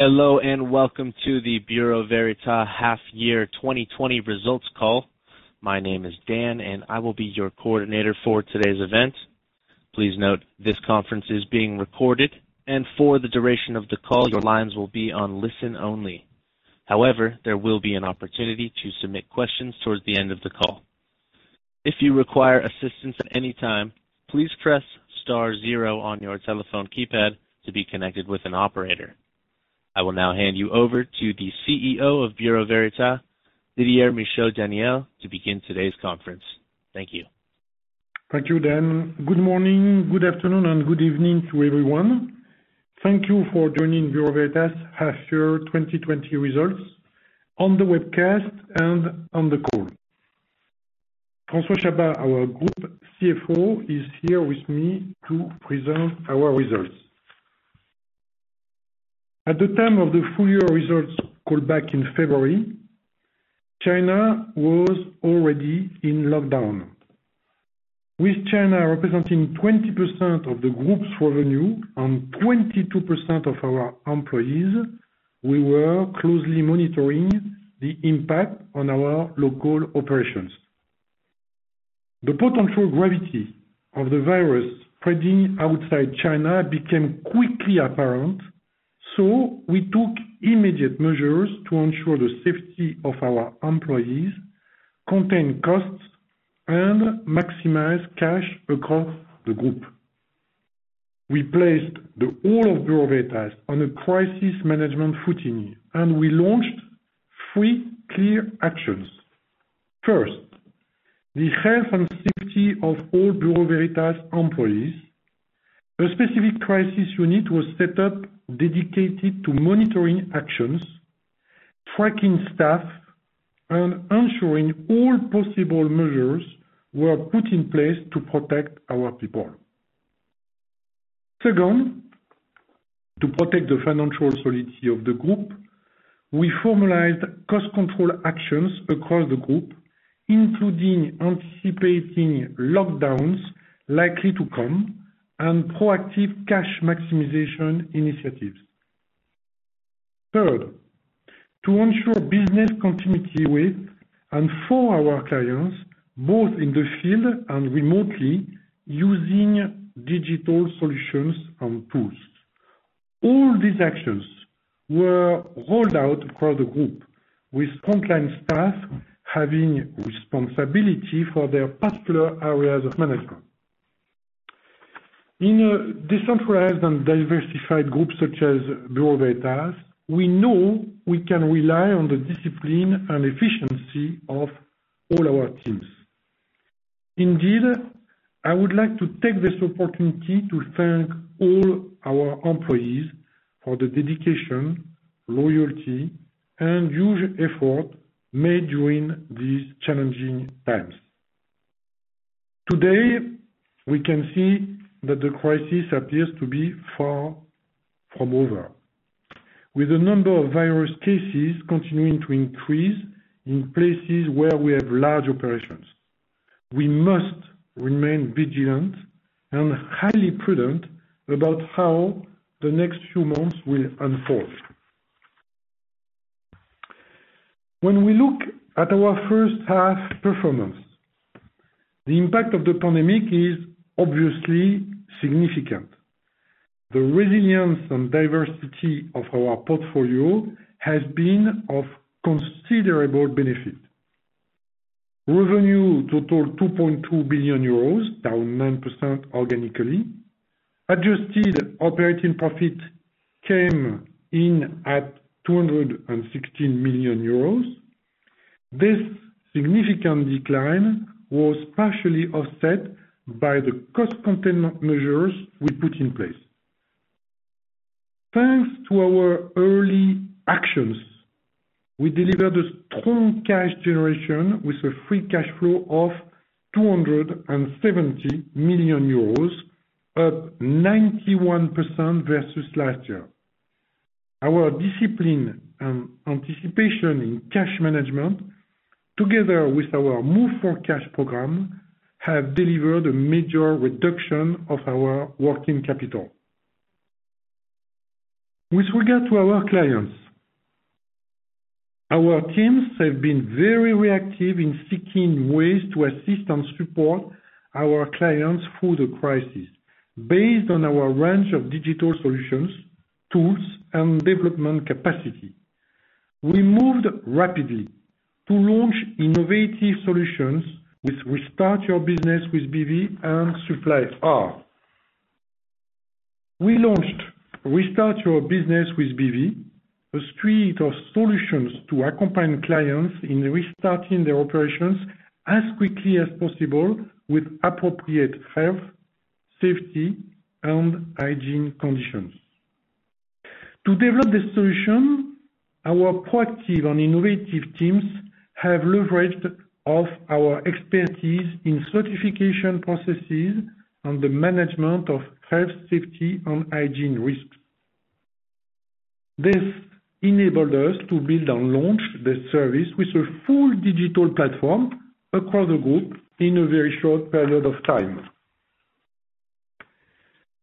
Hello, and welcome to the Bureau Veritas Half Year 2020 Results Call. My name is Dan, and I will be your coordinator for today's event. Please note this conference is being recorded, and for the duration of the call, your lines will be on listen only. However, there will be an opportunity to submit questions towards the end of the call. If you require assistance at any time, please press star zero on your telephone keypad to be connected with an operator. I will now hand you over to the CEO of Bureau Veritas, Didier Michaud-Daniel, to begin today's conference. Thank you. Thank you, Dan. Good morning, good afternoon, and good evening to everyone. Thank you for joining Bureau Veritas Half Year 2020 Results on the webcast and on the call. François Chabas, our Group CFO, is here with me to present our results. At the time of the full-year results call back in February, China was already in lockdown. With China representing 20% of the group's revenue and 22% of our employees, we were closely monitoring the impact on our local operations. The potential gravity of the virus spreading outside China became quickly apparent. We took immediate measures to ensure the safety of our employees, contain costs, and maximize cash across the group. We placed the whole of Bureau Veritas on a crisis management footing. We launched three clear actions. First, the health and safety of all Bureau Veritas employees. A specific crisis unit was set up dedicated to monitoring actions, tracking staff, and ensuring all possible measures were put in place to protect our people. Second, to protect the financial solidity of the group, we formalized cost control actions across the group, including anticipating lockdowns likely to come and proactive cash maximization initiatives. Third, to ensure business continuity with and for our clients, both in the field and remotely, using digital solutions and tools. All these actions were rolled out across the group, with compliance staff having responsibility for their particular areas of management. In a decentralized and diversified group such as Bureau Veritas, we know we can rely on the discipline and efficiency of all our teams. Indeed, I would like to take this opportunity to thank all our employees for the dedication, loyalty, and huge effort made during these challenging times. Today, we can see that the crisis appears to be far from over. With the number of virus cases continuing to increase in places where we have large operations, we must remain vigilant and highly prudent about how the next few months will unfold. When we look at our first half performance, the impact of the pandemic is obviously significant. The resilience and diversity of our portfolio has been of considerable benefit. Revenue totaled 2.2 billion euros, down 9% organically. Adjusted operating profit came in at 216 million euros. This significant decline was partially offset by the cost containment measures we put in place. Thanks to our early actions, we delivered a strong cash generation with a free cash flow of 270 million euros, up 91% versus last year. Our discipline and anticipation in cash management, together with our Move For Cash program, have delivered a major reduction of our working capital. With regard to our clients, our teams have been very reactive in seeking ways to assist and support our clients through the crisis based on our range of digital solutions, tools, and development capacity. We moved rapidly to launch innovative solutions with Restart your Business with BV and Supply-R. We launched Restart your Business with BV, a suite of solutions to accompany clients in restarting their operations as quickly as possible with appropriate health, safety, and hygiene conditions. To develop this solution, our proactive and innovative teams have leveraged off our expertise in certification processes and the management of health, safety, and hygiene risks. This enabled us to build and launch this service with a full digital platform across the group in a very short period of time.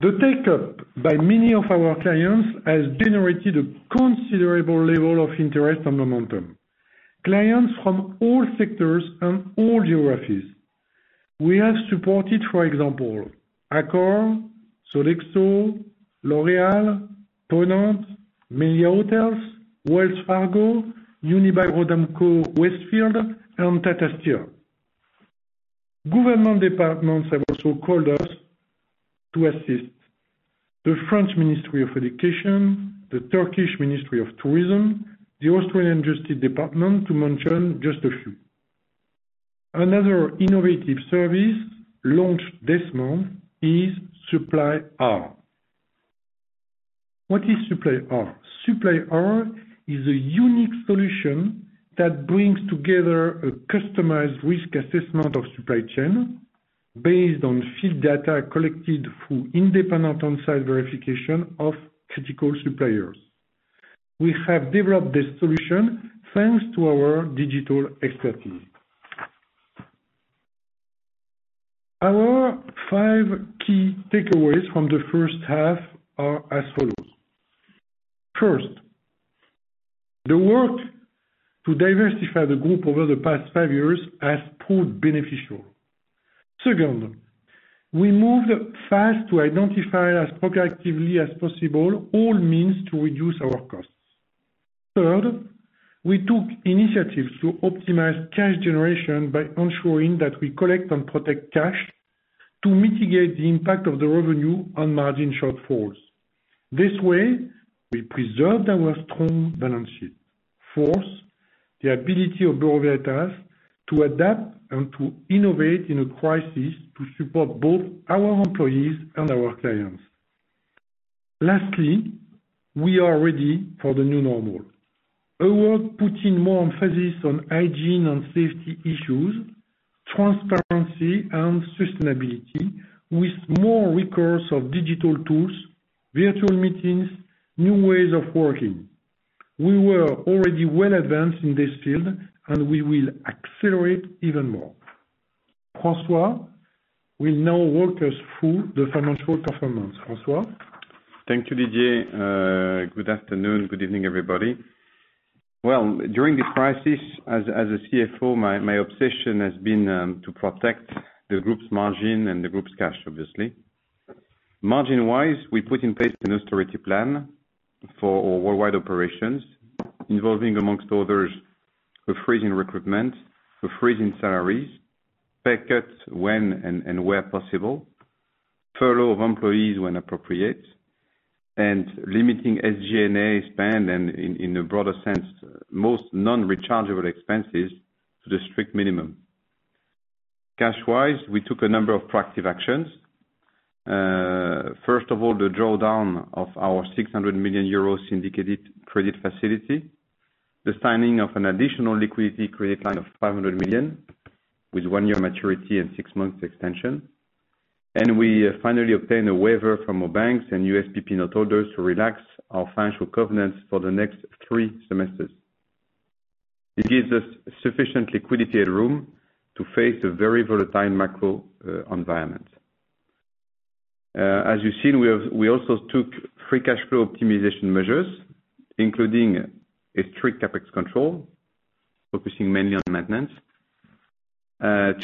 The take-up by many of our clients has generated a considerable level of interest and momentum. Clients from all sectors and all geographies. We have supported, for example, Accor, Sodexo, L'Oréal, Ponant, Meliá Hotels, Wells Fargo, Unibail-Rodamco-Westfield, and Tata Steel. Government departments have also called us to assist. The French Ministry of Education, the Turkish Ministry of Tourism, the Australian Justice Department to mention just a few. Another innovative service launched this month is Supply-R. What is Supply-R? Supply-R is a unique solution that brings together a customized risk assessment of supply chain based on field data collected through independent on-site verification of critical suppliers. We have developed this solution thanks to our digital expertise. Our five key takeaways from the first half are as follows. First, the work to diversify the group over the past five years has proved beneficial. Second, we moved fast to identify as proactively as possible all means to reduce our costs. Third, we took initiatives to optimize cash generation by ensuring that we collect and protect cash to mitigate the impact of the revenue on margin shortfalls. This way, we preserved our strong balance sheet. Fourth, the ability of Bureau Veritas to adapt and to innovate in a crisis to support both our employees and our clients. Lastly, we are ready for the new normal. A world putting more emphasis on hygiene and safety issues, transparency, and sustainability with more recourse of digital tools, virtual meetings, new ways of working. We were already well advanced in this field, and we will accelerate even more. François will now walk us through the financial performance. François? Thank you, Didier. Good afternoon, good evening, everybody. Well, during the crisis, as a CFO, my obsession has been to protect the group's margin and the group's cash, obviously. Margin-wise, we put in place an austerity plan for our worldwide operations, involving, amongst others, a freeze in recruitment, a freeze in salaries, pay cuts when and where possible, furlough of employees when appropriate, and limiting SG&A spend and, in a broader sense, most non-rechargeable expenses to the strict minimum. Cash-wise, we took a number of proactive actions. First of all, the drawdown of our 600 million euro syndicated credit facility, the signing of an additional liquidity credit line of 500 million with one-year maturity and six months extension. We finally obtained a waiver from our banks and USPP note holders to relax our financial covenants for the next three semesters. It gives us sufficient liquidity and room to face a very volatile macro environment. As you've seen, we also took free cash flow optimization measures, including a strict CapEx control, focusing mainly on maintenance.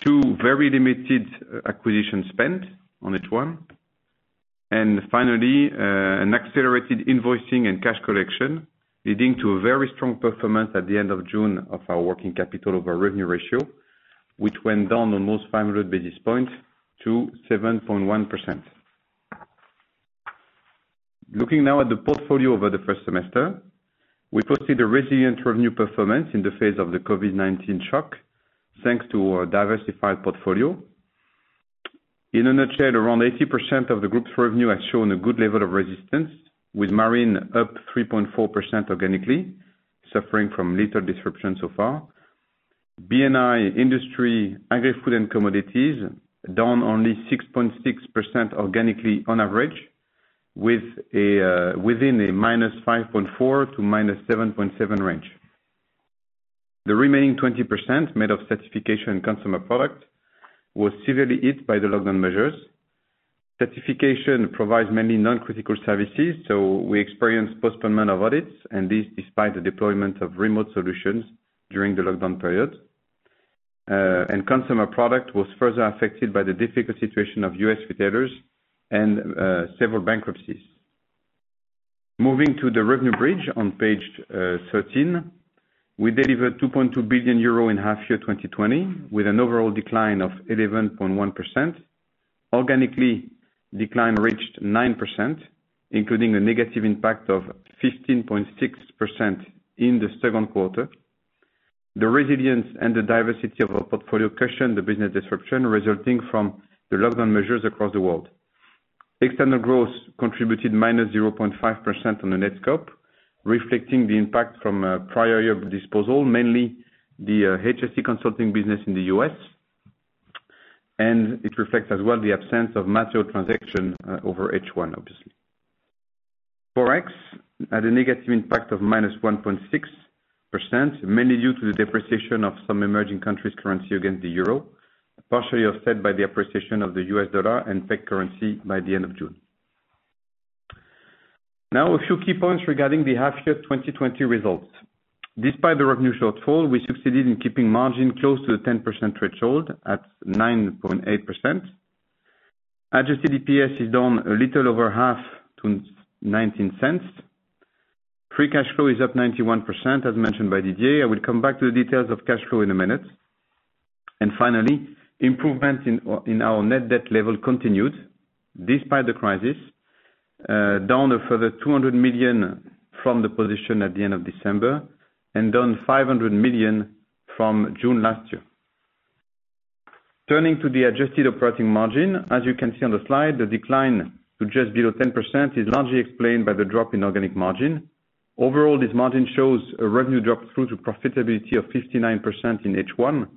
Two, very limited acquisition spend on H1. Finally, an accelerated invoicing and cash collection, leading to a very strong performance at the end of June of our working capital over revenue ratio, which went down almost 500 basis points to 7.1%. Looking now at the portfolio over the first semester, we foresee the resilient revenue performance in the face of the COVID-19 shock, thanks to our diversified portfolio. In a nutshell, around 80% of the group's revenue has shown a good level of resistance, with Marine up 3.4% organically, suffering from little disruption so far. B&I Industry, Agri, Food, and Commodities down only 6.6% organically on average, within a -5.4% to -7.7% range. The remaining 20%, made of Certification and Consumer Product, was severely hit by the lockdown measures. Certification provides many non-critical services, we experienced postponement of audits, this despite the deployment of remote solutions during the lockdown period. Consumer Product was further affected by the difficult situation of U.S. retailers and several bankruptcies. Moving to the revenue bridge on page 13, we delivered 2.2 billion euro in half year 2020, with an overall decline of 11.1%. Organically, decline reached 9%, including a negative impact of 15.6% in the second quarter. The resilience and the diversity of our portfolio cushioned the business disruption resulting from the lockdown measures across the world. External growth contributed -0.5% on the net scope, reflecting the impact from prior year of disposal, mainly the HSE consulting business in the U.S., and it reflects as well the absence of material transaction over H1, obviously. Forex had a negative impact of -1.6%, mainly due to the depreciation of some emerging countries' currency against the euro, partially offset by the appreciation of the US dollar and tech currency by the end of June. Now, a few key points regarding the half year 2020 results. Despite the revenue shortfall, we succeeded in keeping margin close to the 10% threshold at 9.8%. Adjusted EPS is down a little over half to 0.19. Free cash flow is up 91%, as mentioned by DJ. I will come back to the details of cash flow in a minute. Finally, improvement in our net debt level continued despite the crisis, down a further 200 million from the position at the end of December, and down 500 million from June last year. Turning to the adjusted operating margin, as you can see on the slide, the decline to just below 10% is largely explained by the drop in organic margin. Overall, this margin shows a revenue drop through to profitability of 59% in H1.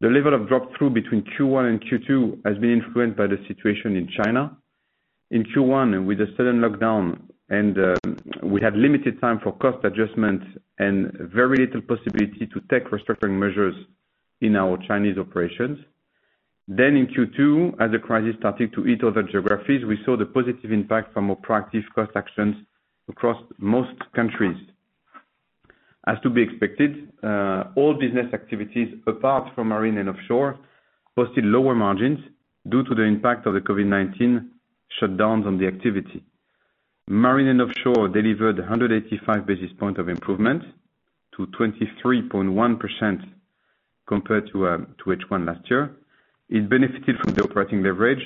The level of drop through between Q1 and Q2 has been influenced by the situation in China. In Q1, with the sudden lockdown, and we had limited time for cost adjustment and very little possibility to take restructuring measures in our Chinese operations. In Q2, as the crisis started to eat other geographies, we saw the positive impact from our proactive cost actions across most countries. As to be expected, all business activities apart from Marine & Offshore posted lower margins due to the impact of the COVID-19 shutdowns on the activity. Marine & Offshore delivered 185 basis points of improvement to 23.1% compared to H1 last year. It benefited from the operating leverage,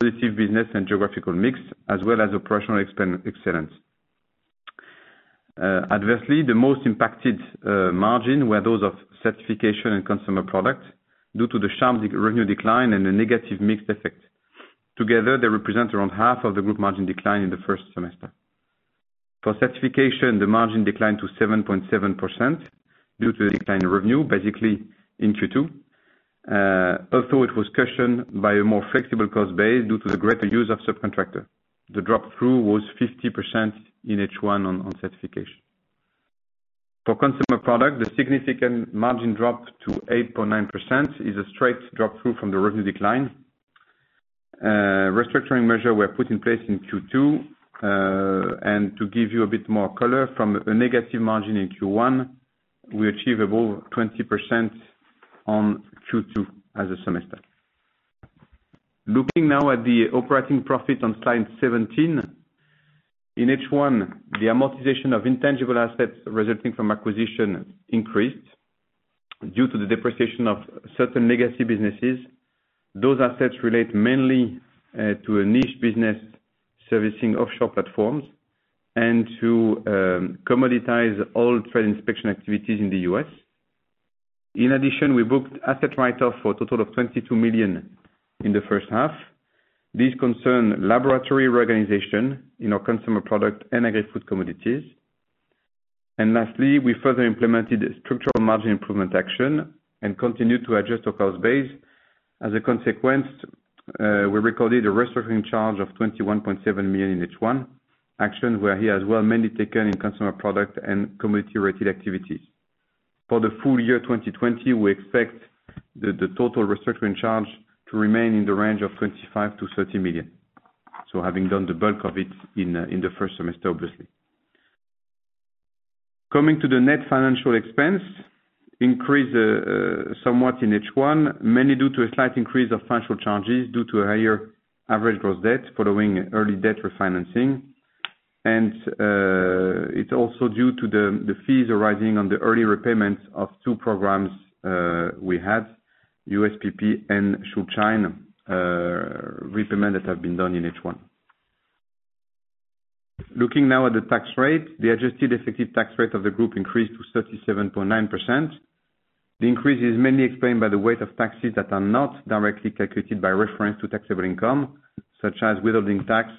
positive business and geographical mix, as well as operational excellence. Adversely, the most impacted margin were those of Certification and Consumer Products due to the sharp revenue decline and a negative mixed effect. Together, they represent around half of the group margin decline in the first semester. For Certification, the margin declined to 7.7% due to a decline in revenue, basically in Q2. Although it was cushioned by a more flexible cost base due to the greater use of subcontractor. The drop-through was 50% in H1 on Certification. For Consumer Products, the significant margin drop to 8.9% is a straight drop-through from the revenue decline. Restructuring measures were put in place in Q2. To give you a bit more color, from a negative margin in Q1, we achieve above 20% on Q2 as a semester. Looking now at the operating profit on slide 17. In H1, the amortization of intangible assets resulting from acquisition increased due to the depreciation of certain legacy businesses. Those assets relate mainly to a niche business servicing offshore platforms and to commoditized oil trade inspection activities in the U.S. In addition, we booked asset write-offs for a total of 22 million in the first half. These concern laboratory reorganization in our Consumer Products and Agri-Food & Commodities. Lastly, we further implemented structural margin improvement actions and continued to adjust our cost base. As a consequence, we recorded a restructuring charge of 21.7 million in H1, actions were here as well mainly taken in Consumer Products and Agri-Food & Commodities. For the full year 2020, we expect the total restructuring charge to remain in the range of 25 million-30 million. Having done the bulk of it in the first semester, obviously. Coming to the net financial expense, increase somewhat in H1, mainly due to a slight increase of financial charges due to a higher average gross debt following early debt refinancing. It's also due to the fees arising on the early repayments of two programs we have, USPP and Schuldschein, repayment that have been done in H1. Looking now at the tax rate, the adjusted effective tax rate of the group increased to 37.9%. The increase is mainly explained by the weight of taxes that are not directly calculated by reference to taxable income, such as withholding tax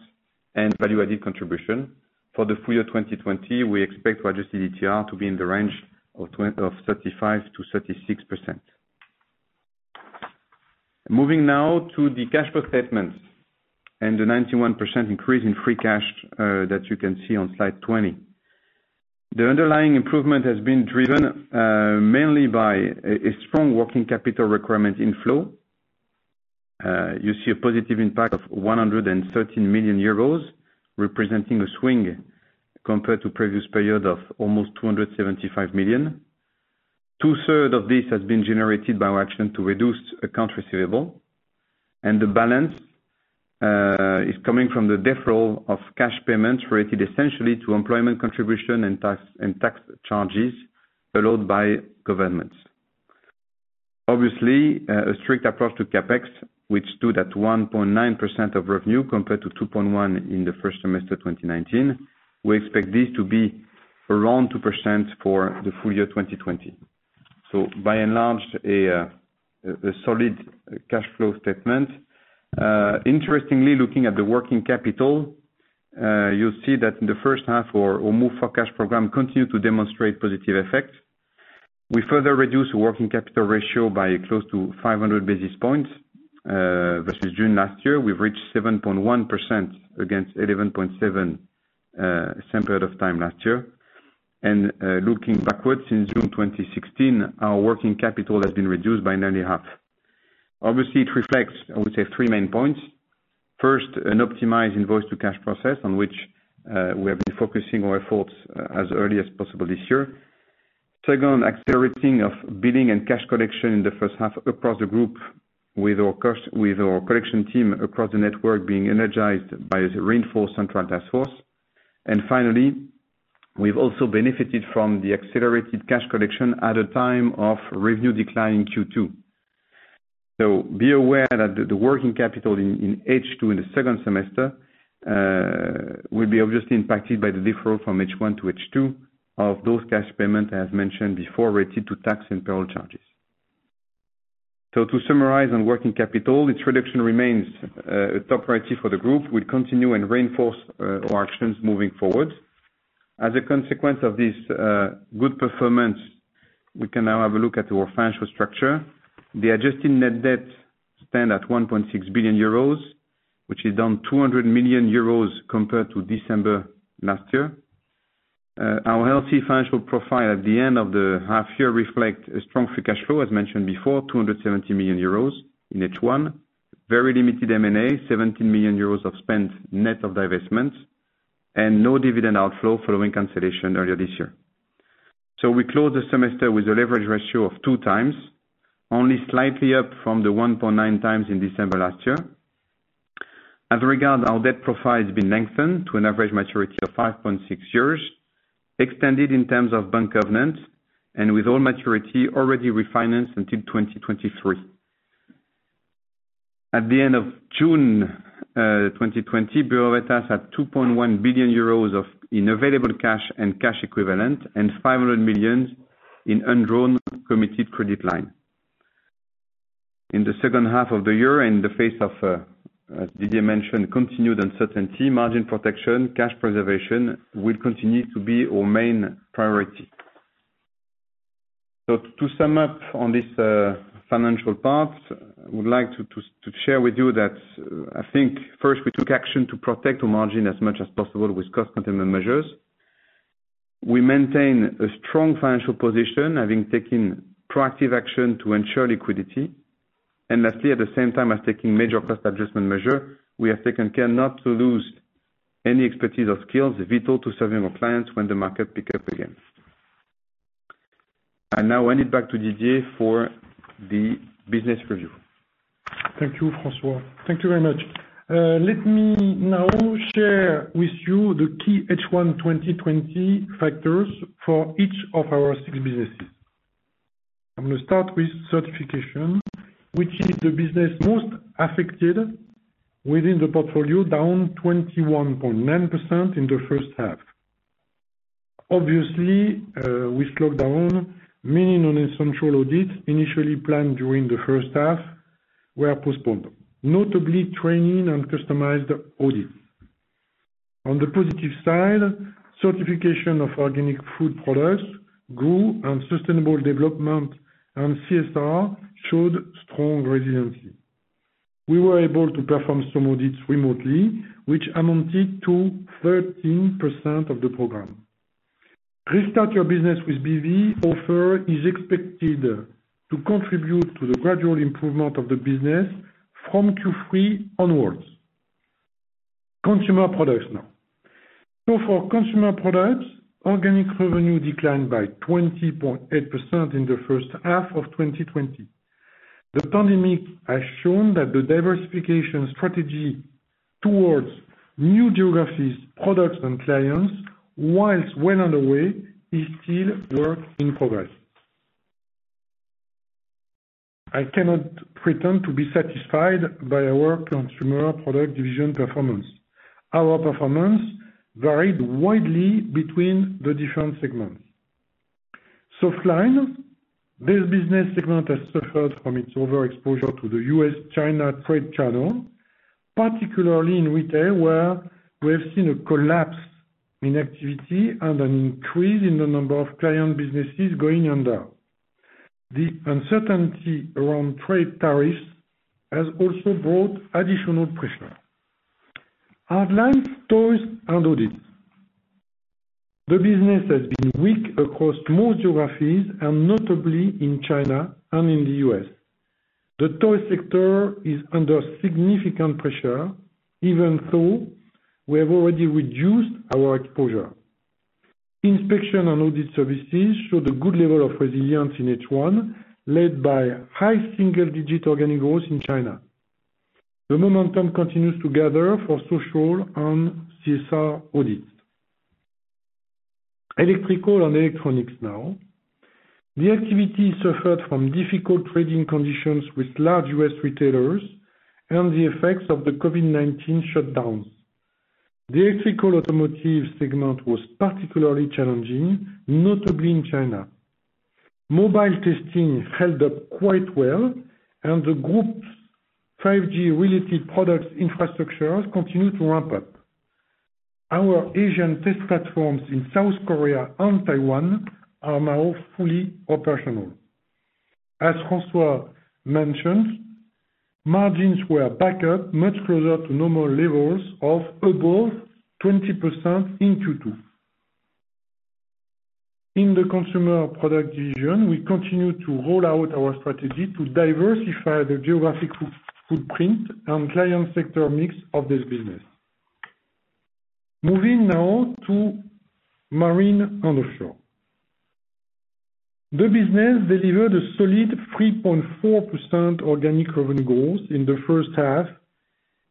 and value-added contribution. For the full year 2020, we expect adjusted ETR to be in the range of 35%-36%. Moving now to the cash flow statement and the 91% increase in free cash that you can see on slide 20. The underlying improvement has been driven mainly by a strong working capital requirement inflow. You see a positive impact of 113 million euros, representing a swing compared to previous period of almost 275 million. Two-third of this has been generated by our action to reduce accounts receivable, and the balance is coming from the deferral of cash payments related essentially to employment contribution and tax charges followed by governments. Obviously, a strict approach to CapEx, which stood at 1.9% of revenue compared to 2.1% in the first semester 2019. We expect this to be around 2% for the full year 2020. By and large, a solid cash flow statement. Interestingly, looking at the working capital, you'll see that in the first half, our Move For Cash program continued to demonstrate positive effects. We further reduced working capital ratio by close to 500 basis points versus June last year. We've reached 7.1% against 11.7% same period of time last year. Looking backwards, in June 2016, our working capital has been reduced by nearly half. Obviously, it reflects, I would say, three main points. First, an optimized invoice to cash process on which we have been focusing our efforts as early as possible this year. Second, accelerating of billing and cash collection in the first half across the group with our collection team across the network being energized by the reinforced central task force. Finally, we've also benefited from the accelerated cash collection at a time of revenue decline in Q2. Be aware that the working capital in H2, in the second semester, will be obviously impacted by the deferral from H1 to H2 of those cash payments, as mentioned before, related to tax and peril charges. To summarize on working capital, its reduction remains a top priority for the group. We continue and reinforce our actions moving forward. As a consequence of this good performance, we can now have a look at our financial structure. The adjusted net debt stand at 1.6 billion euros, which is down 200 million euros compared to December last year. Our healthy financial profile at the end of the half year reflect a strong free cash flow, as mentioned before, 270 million euros in H1. Very limited M&A, 17 million euros of spend net of divestments, and no dividend outflow following cancellation earlier this year. We close the semester with a leverage ratio of 2 times, only slightly up from the 1.9 times in December last year. As regard, our debt profile has been lengthened to an average maturity of 5.6 years, extended in terms of bank covenant, and with all maturity already refinanced until 2023. At the end of June 2020, Bureau Veritas had 2.1 billion euros of available cash and cash equivalent and 500 million in undrawn committed credit line. In the second half of the year, in the face of, Didier mentioned, continued uncertainty, margin protection, cash preservation will continue to be our main priority. To sum up on this financial part, I would like to share with you that I think first we took action to protect our margin as much as possible with cost containment measures. We maintain a strong financial position, having taken proactive action to ensure liquidity. Lastly, at the same time as taking major cost adjustment measure, we have taken care not to lose any expertise or skills vital to serving our clients when the market pick up again. I now hand it back to Didier for the business review. Thank you, François. Thank you very much. Let me now share with you the key H1 2020 factors for each of our six businesses. I'm going to start with Certification, which is the business most affected within the portfolio, down 21.9% in the first half. With lockdown, many non-essential audits initially planned during the first half were postponed, notably training and customized audits. On the positive side, certification of organic food products grew, and sustainable development and CSR showed strong resiliency. We were able to perform some audits remotely, which amounted to 13% of the program. Restart your Business with BV offer is expected to contribute to the gradual improvement of the business from Q3 onwards. Consumer Products now. For Consumer Products, organic revenue declined by 20.8% in the first half of 2020. The pandemic has shown that the diversification strategy towards new geographies, products, and clients, whilst well on the way, is still work in progress. I cannot pretend to be satisfied by our Consumer Products division performance. Our performance varied widely between the different segments. Softline, this business segment has suffered from its overexposure to the U.S.-China trade channel, particularly in retail, where we have seen a collapse in activity and an increase in the number of client businesses going under. The uncertainty around trade tariffs has also brought additional pressure. Hardline, toys, and audits. The business has been weak across most geographies, and notably in China and in the U.S. The toy sector is under significant pressure, even though we have already reduced our exposure. Inspection and audit services showed a good level of resilience in H1, led by high single-digit organic growth in China. The momentum continues to gather for social and CSR audits. Electrical and electronics now. The activity suffered from difficult trading conditions with large U.S. retailers and the effects of the COVID-19 shutdowns. The electrical automotive segment was particularly challenging, notably in China. Mobile testing held up quite well, and the group's 5G-related products infrastructure continued to ramp up. Our Asian test platforms in South Korea and Taiwan are now fully operational. As François mentioned, margins were back up much closer to normal levels of above 20% in Q2. In the Consumer Products division, we continue to roll out our strategy to diversify the geographic footprint and client sector mix of this business. Moving now to Marine & Offshore. The business delivered a solid 3.4% organic revenue growth in the first half,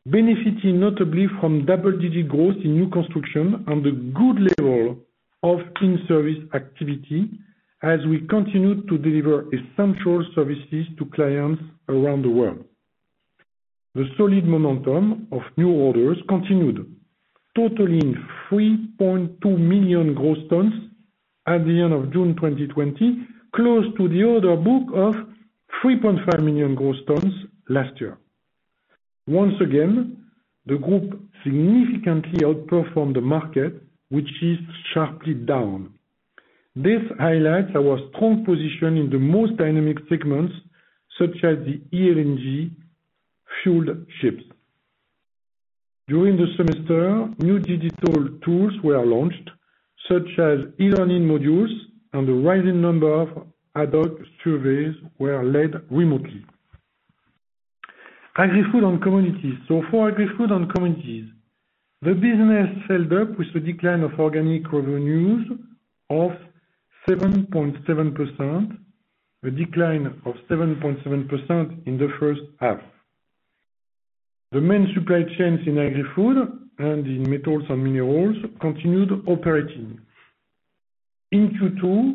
benefiting notably from double-digit growth in new construction and the good level of in-service activity as we continued to deliver essential services to clients around the world. The solid momentum of new orders continued, totaling 3.2 million gross tons at the end of June 2020, close to the order book of 3.5 million gross tons last year. Once again, the group significantly outperformed the market, which is sharply down. This highlights our strong position in the most dynamic segments, such as the LNG fueled ships. During the semester, new digital tools were launched, such as e-learning modules, and a rising number of ad hoc surveys were led remotely. Agri-Food & Commodities. For Agri-Food & Commodities, the business followed up with a decline of organic revenues of 7.7% in the first half. The main supply chains in Agri-Food and in metals and minerals continued operating. In Q2,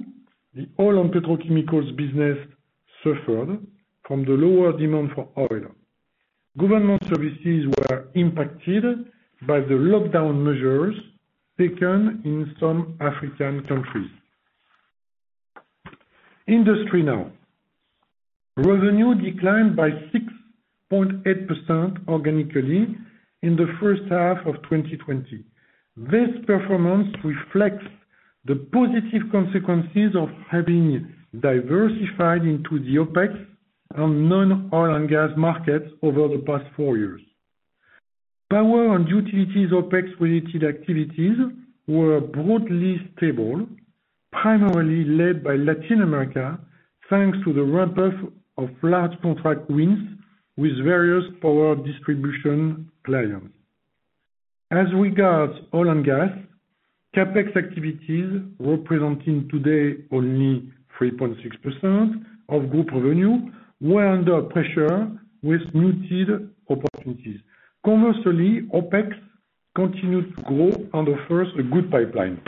the oil and petrochemicals business suffered from the lower demand for oil. Government services were impacted by the lockdown measures taken in some African countries. Industry now. Revenue declined by 6.8% organically in the first half of 2020. This performance reflects the positive consequences of having diversified into the OPEX and non-oil and gas markets over the past four years. Power and utilities OPEX-related activities were broadly stable, primarily led by Latin America, thanks to the ramp-up of large contract wins with various power distribution clients. As regards oil and gas, CapEx activities representing today only 3.6% of group revenue were under pressure with muted opportunities. Conversely, OPEX continued to grow and offers a good pipeline.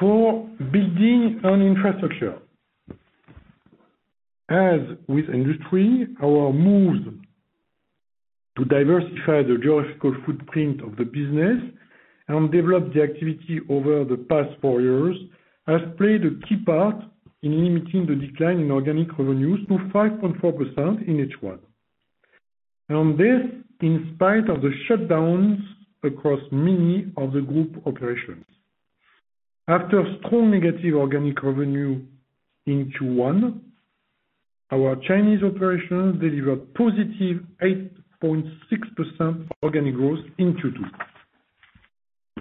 For Buildings & Infrastructure. As with industry, our moves to diversify the geographical footprint of the business and develop the activity over the past four years has played a key part in limiting the decline in organic revenues to 5.4% in H1. This in spite of the shutdowns across many of the group operations. After strong negative organic revenue in Q1, our Chinese operations delivered positive 8.6% organic growth in Q2.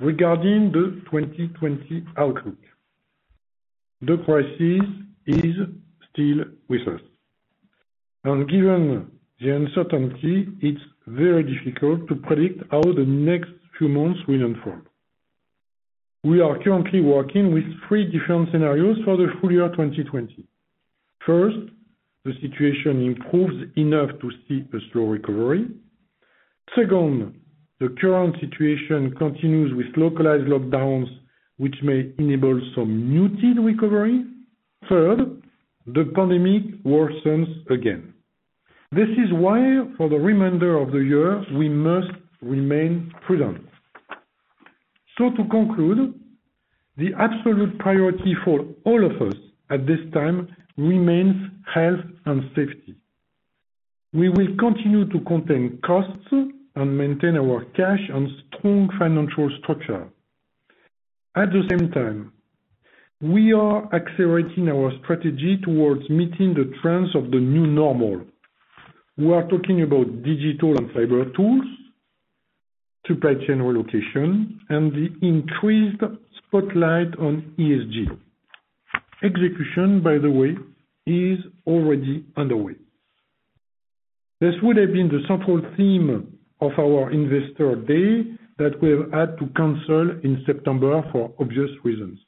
Regarding the 2020 outlook, the crisis is still with us. Given the uncertainty, it's very difficult to predict how the next few months will unfold. We are currently working with three different scenarios for the full year 2020. First, the situation improves enough to see a slow recovery. Second, the current situation continues with localized lockdowns, which may enable some muted recovery. Third, the pandemic worsens again. This is why, for the remainder of the year, we must remain prudent. To conclude, the absolute priority for all of us at this time remains health and safety. We will continue to contain costs and maintain our cash and strong financial structure. At the same time, we are accelerating our strategy towards meeting the trends of the new normal. We are talking about digital and cyber tools, supply chain relocation, and the increased spotlight on ESG. Execution, by the way, is already underway. This would have been the central theme of our investor day that we have had to cancel in September for obvious reasons.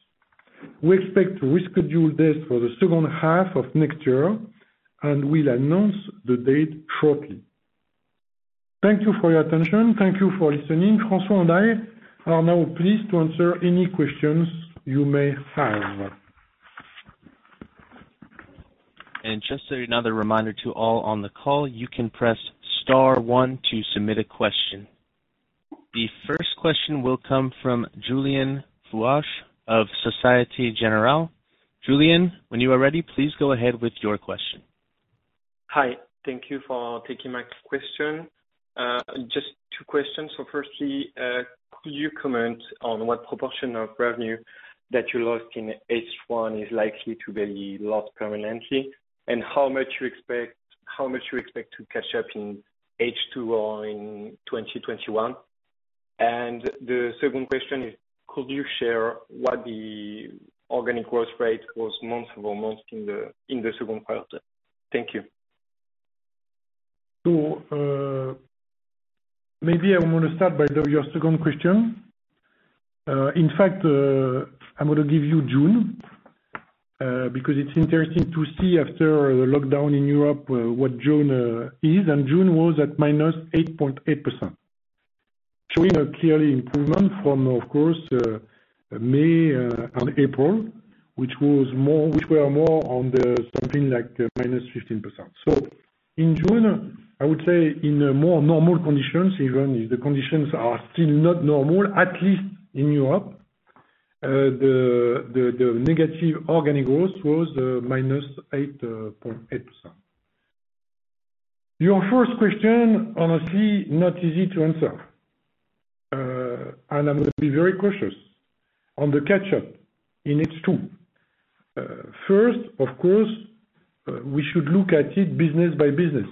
We expect to reschedule this for the second half of next year, and we will announce the date shortly. Thank you for your attention. Thank you for listening. François and I are now pleased to answer any questions you may have. Just another reminder to all on the call, you can press star one to submit a question. The first question will come from Julien Fouché of Société Générale. Julien, when you are ready, please go ahead with your question. Hi. Thank you for taking my question. Just two questions. Firstly, could you comment on what proportion of revenue that you lost in H1 is likely to be lost permanently, and how much you expect to catch up in H2 or in 2021? The second question is, could you share what the organic growth rate was month-over-month in the second quarter? Thank you. Maybe I'm going to start by your second question. In fact, I'm going to give you June, because it's interesting to see after the lockdown in Europe what June is, and June was at -8.8%. Showing a clear improvement from, of course, May and April, which were more on the something like -15%. In June, I would say in more normal conditions, even if the conditions are still not normal, at least in Europe, the negative organic growth was -8.8%. Your first question, honestly, not easy to answer. I'm going to be very cautious on the catch-up in H2. First, of course, we should look at it business by business.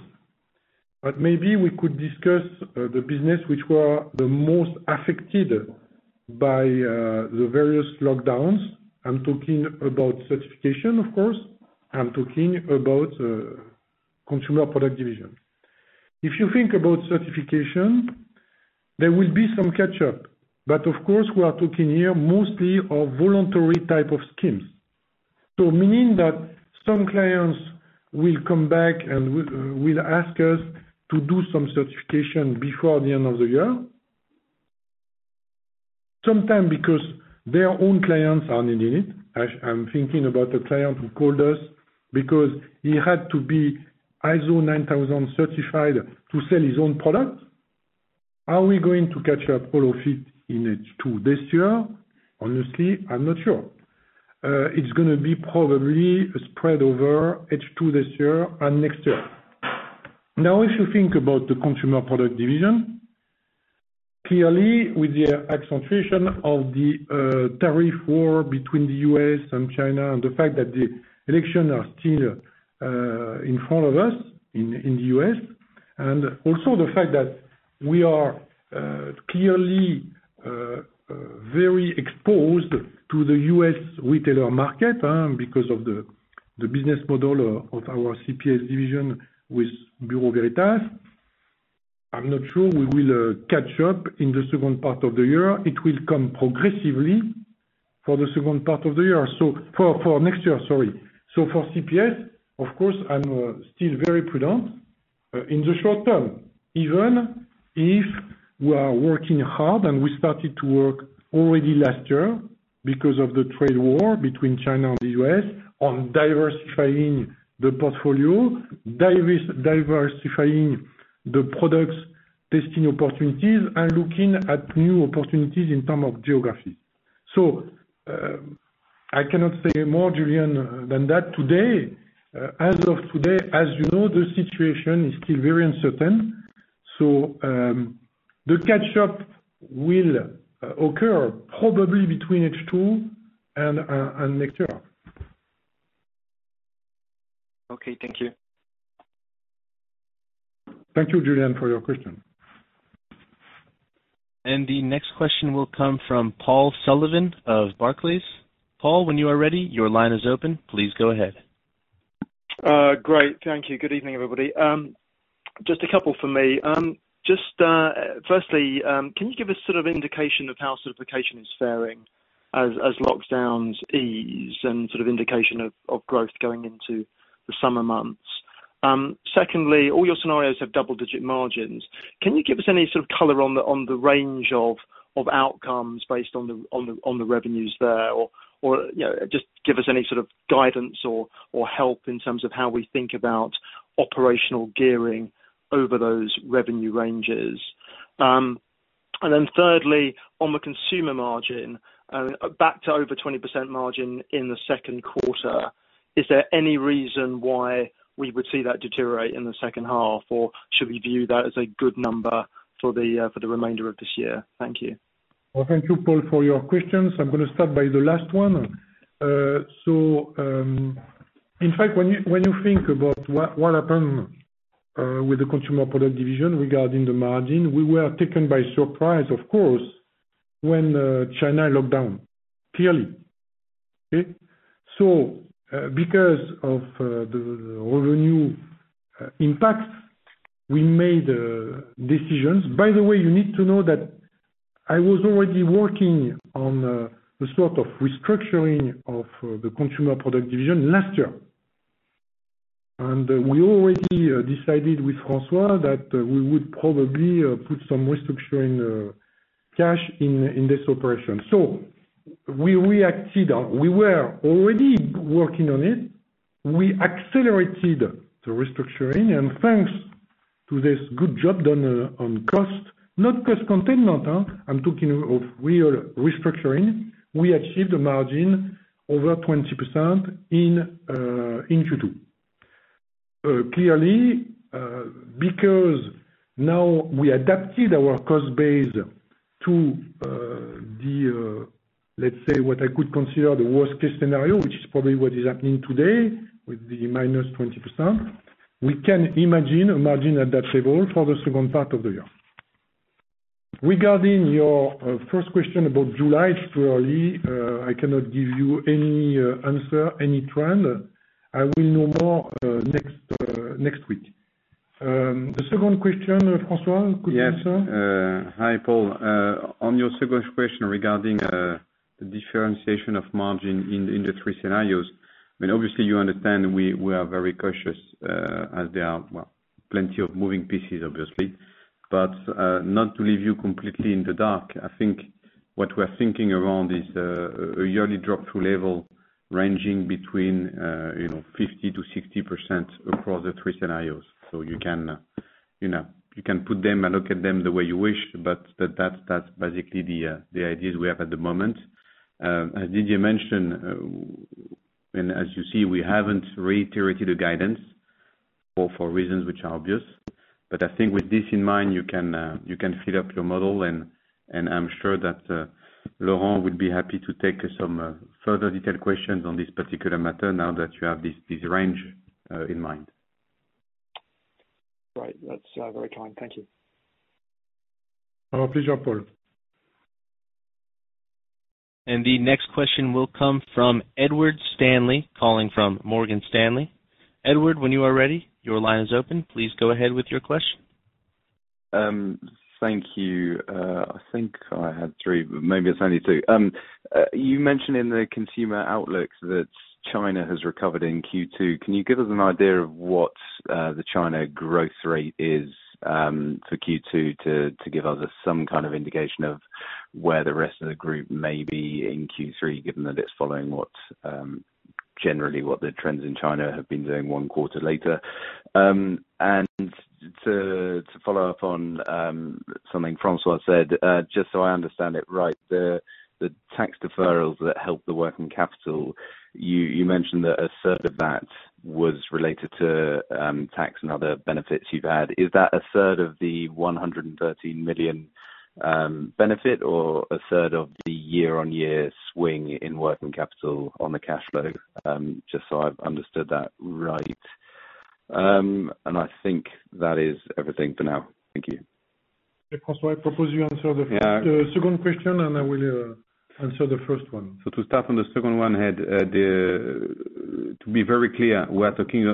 Maybe we could discuss the business which were the most affected by the various lockdowns. I'm talking about Certification, of course. I'm talking about Consumer Products division. If you think about certification, there will be some catch-up. Of course, we are talking here mostly of voluntary type of schemes. Meaning that some clients will come back and will ask us to do some certification before the end of the year. Sometimes because their own clients are needing it. I'm thinking about a client who called us because he had to be ISO 9000 certified to sell his own product. Are we going to catch up all of it in H2 this year? Honestly, I'm not sure. It's going to be probably spread over H2 this year and next year. If you think about the Consumer Products division, clearly with the accentuation of the tariff war between the U.S. and China and the fact that the election are still in front of us in the U.S., also the fact that we are clearly very exposed to the U.S. retailer market because of the business model of our CPS division with Bureau Veritas. I'm not sure we will catch up in the second part of the year. It will come progressively for the second part of the year. For next year, sorry. For CPS, of course, I'm still very prudent in the short term, even if we are working hard and we started to work already last year because of the trade war between China and the U.S. on diversifying the portfolio, diversifying the products, testing opportunities, and looking at new opportunities in terms of geography. I cannot say more, Julien, than that today. As of today, as you know, the situation is still very uncertain. The catch-up will occur probably between H2 and next year. Okay. Thank you. Thank you, Julien, for your question. The next question will come from Paul Sullivan of Barclays. Paul, when you are ready, your line is open. Please go ahead. Great. Thank you. Good evening, everybody. Just a couple from me. Just firstly, can you give a sort of indication of how Certification is faring as lockdowns ease and sort of indication of growth going into the summer months? Secondly, all your scenarios have double-digit margins. Can you give us any sort of color on the range of outcomes based on the revenues there or just give us any sort of guidance or help in terms of how we think about operational gearing over those revenue ranges? Thirdly, on the Consumer Products margin, back to over 20% margin in the second quarter, is there any reason why we would see that deteriorate in the second half, or should we view that as a good number for the remainder of this year? Thank you. Well, thank you, Paul, for your questions. I'm going to start by the last one. In fact, when you think about what happened with the Consumer Products division regarding the margin, we were taken by surprise, of course, when China locked down. Clearly. Okay. Because of the revenue impact, we made decisions. By the way, you need to know that I was already working on the sort of restructuring of the Consumer Products division last year. We already decided with François that we would probably put some restructuring cash in this operation. We were already working on it. We accelerated the restructuring, and thanks to this good job done on cost, not cost containment, I'm talking of real restructuring, we achieved a margin over 20% in Q2. Clearly, because now we adapted our cost base to the, let's say, what I could consider the worst-case scenario, which is probably what is happening today with the minus 20%, we can imagine a margin at that level for the second part of the year. Regarding your first question about July, it's too early. I cannot give you any answer, any trend. I will know more next week. The second question, François, could you answer? Yes. Hi, Paul. On your second question regarding the differentiation of margin in the three scenarios, obviously you understand we are very cautious, as there are plenty of moving pieces. Not to leave you completely in the dark, I think what we're thinking around is a yearly drop-through level ranging between 50%-60% across the three scenarios. You can put them and look at them the way you wish, but that's basically the ideas we have at the moment. As Didier mentioned, and as you see, we haven't reiterated the guidance, all for reasons which are obvious. I think with this in mind, you can fill up your model and I'm sure that Laurent would be happy to take some further detailed questions on this particular matter now that you have this range in mind. Right. That's very kind. Thank you. Our pleasure, Paul. The next question will come from Edward Stanley, calling from Morgan Stanley. Edward, when you are ready, your line is open. Please go ahead with your question. Thank you. I think I had three, but maybe it's only two. You mentioned in the consumer outlook that China has recovered in Q2. Can you give us an idea of what the China growth rate is for Q2 to give us some kind of indication of where the rest of the group may be in Q3, given that it's following generally what the trends in China have been doing one quarter later? To follow up on something François said, just so I understand it right, the tax deferrals that help the working capital, you mentioned that a third of that was related to tax and other benefits you've had. Is that a third of the 113 million benefit or a third of the year-on-year swing in working capital on the cash flow? Just so I've understood that right. I think that is everything for now. Thank you. François, I propose you answer. Yeah second question, and I will answer the first one. To start on the second one, to be very clear, we're talking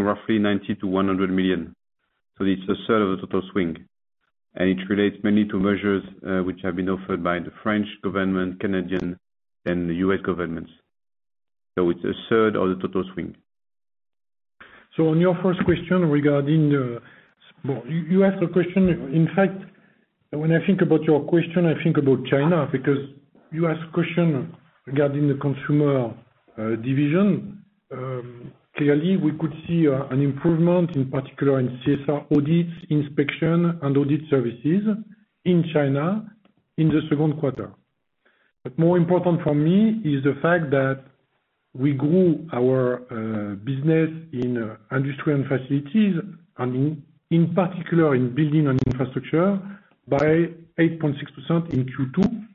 roughly 90-100 million. It's a third of the total swing. It relates mainly to measures which have been offered by the French government, Canadian, and the U.S. governments. It's a third of the total swing. On your first question, you asked a question, in fact, when I think about your question, I think about China, because you asked a question regarding the consumer division. Clearly, we could see an improvement, in particular in CSR audits, inspection, and audit services in China in the second quarter. More important for me is the fact that we grew our business in industry and facilities, and in particular in Buildings & Infrastructure, by 8.6% in Q2,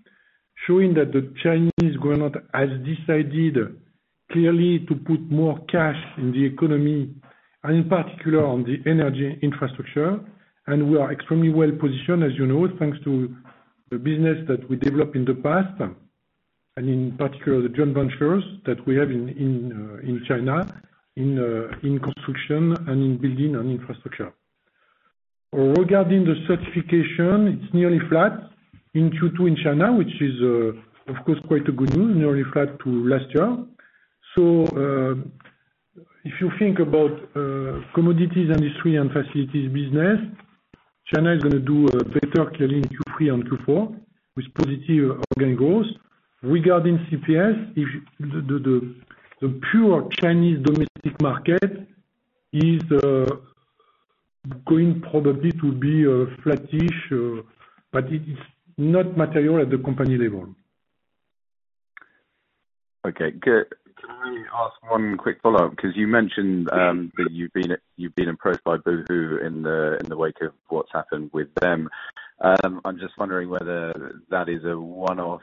showing that the Chinese government has decided clearly to put more cash in the economy, and in particular on the energy infrastructure. We are extremely well-positioned, as you know, thanks to the business that we developed in the past, and in particular the joint ventures that we have in China in construction and in Buildings & Infrastructure. Regarding the certification, it's nearly flat in Q2 in China, which is, of course, quite good news, nearly flat to last year. If you think about commodities industry and facilities business, China is going to do better clearly in Q3 and Q4 with positive organic growth. Regarding CPS, the pure Chinese domestic market is going probably to be flat-ish, but it is not material at the company level. Okay, good. Can I ask one quick follow-up? You mentioned. Yes that you've been approached by Boohoo in the wake of what's happened with them. I'm just wondering whether that is a one-off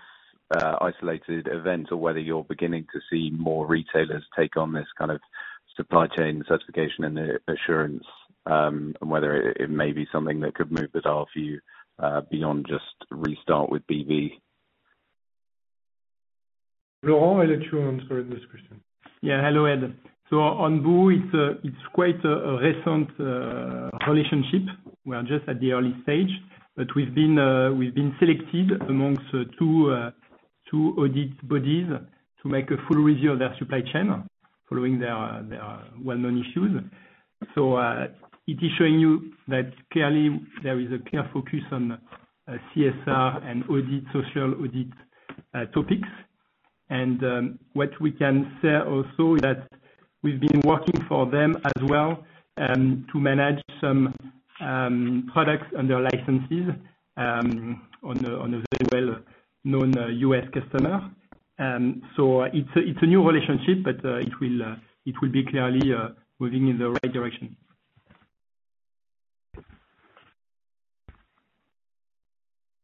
isolated event or whether you're beginning to see more retailers take on this kind of supply chain certification and assurance, and whether it may be something that could move the dial for you beyond just restart with BV. Laurent, I let you answer this question. Hello, Ed. On Boo, it's quite a recent relationship. We are just at the early stage, we've been selected amongst two audit bodies to make a full review of their supply chain, following their well-known issues. It is showing you that clearly there is a clear focus on CSR and social audit topics. What we can say also is that we've been working for them as well to manage some products under licenses on a very well-known U.S. customer. It's a new relationship, it will be clearly moving in the right direction.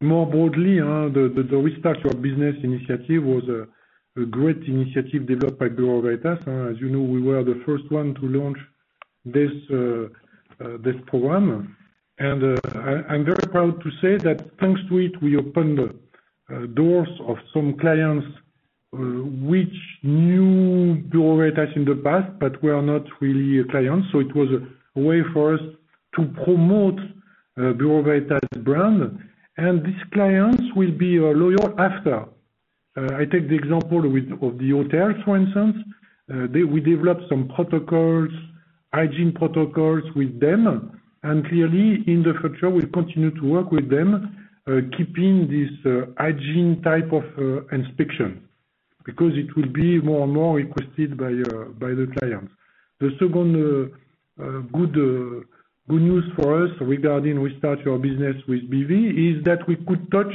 More broadly, the Restart your Business initiative was a great initiative developed by Bureau Veritas. As you know, we were the first one to launch this program. I'm very proud to say that thanks to it, we opened doors of some clients which knew Bureau Veritas in the past, but were not really a client. It was a way for us to promote Bureau Veritas brand. These clients will be loyal after. I take the example of the hotels, for instance. We developed some hygiene protocols with them, and clearly in the future we'll continue to work with them, keeping this hygiene type of inspection, because it will be more and more requested by the clients. The second good news for us regarding Restart Your Business with BV is that we could touch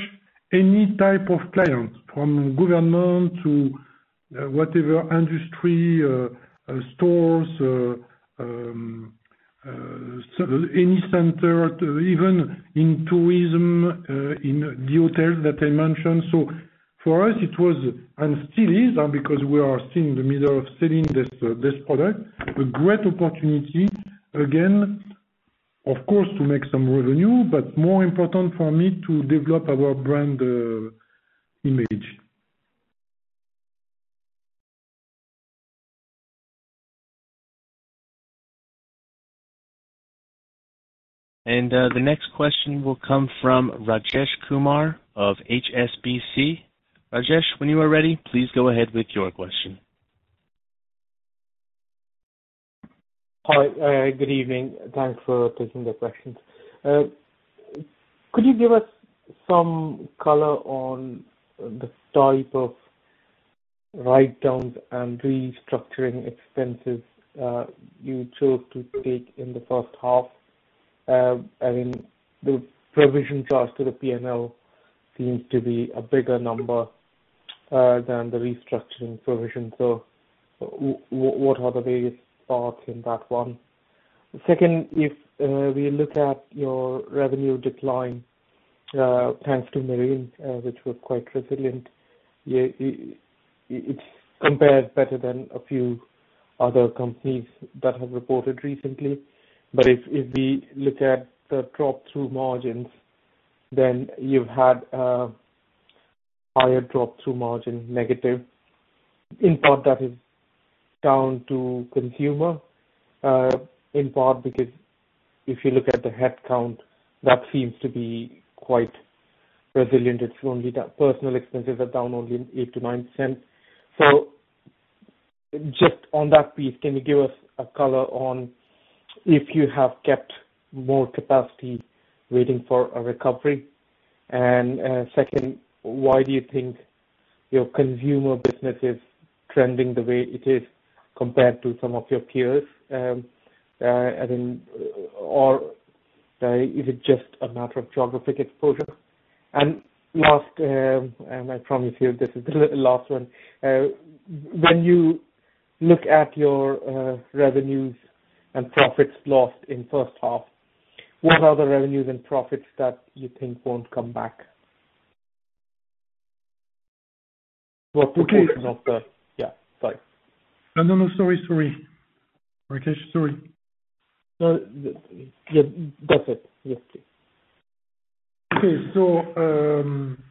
any type of clients, from government to whatever industry, stores, any center, even in tourism, in the hotels that I mentioned. For us it was, and still is, because we are still in the middle of selling this product, a great opportunity, again, of course, to make some revenue, but more important for me to develop our brand image. The next question will come from Rajesh Kumar of HSBC. Rajesh, when you are ready, please go ahead with your question. Hi, good evening. Thanks for taking the questions. Could you give us some color on the type of write-downs and restructuring expenses you chose to take in the first half? I mean, the provision charge to the P&L seems to be a bigger number than the restructuring provision. What are the various thoughts in that one? Second, if we look at your revenue decline, thanks to Marine, which were quite resilient. It compares better than a few other companies that have reported recently. If we look at the drop-through margins, you've had a higher drop-through margin, negative. In part that is down to Consumer, in part because if you look at the headcount, that seems to be quite resilient. Personal expenses are down only 8-9%. Just on that piece, can you give us a color on if you have kept more capacity waiting for a recovery? Second, why do you think your consumer business is trending the way it is compared to some of your peers? Is it just a matter of geographic exposure? Last, and I promise you this is the last one. When you look at your revenues and profits lost in first half, what are the revenues and profits that you think won't come back? What proportion of the? Okay. Yeah, sorry. No, sorry, Rajesh. Sorry. No. That's it. Yes, please. Okay.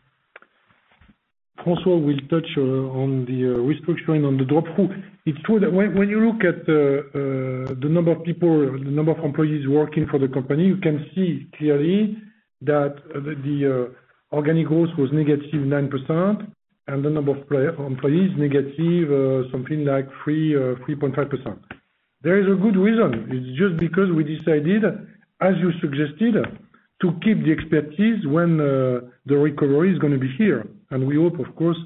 François will touch on the restructuring on the drop-through. It's true that when you look at the number of employees working for the company, you can see clearly that the organic growth was negative 9%, and the number of employees, negative something like 3%, or 3.5%. There is a good reason. It's just because we decided, as you suggested, to keep the expertise when the recovery is going to be here. We hope, of course,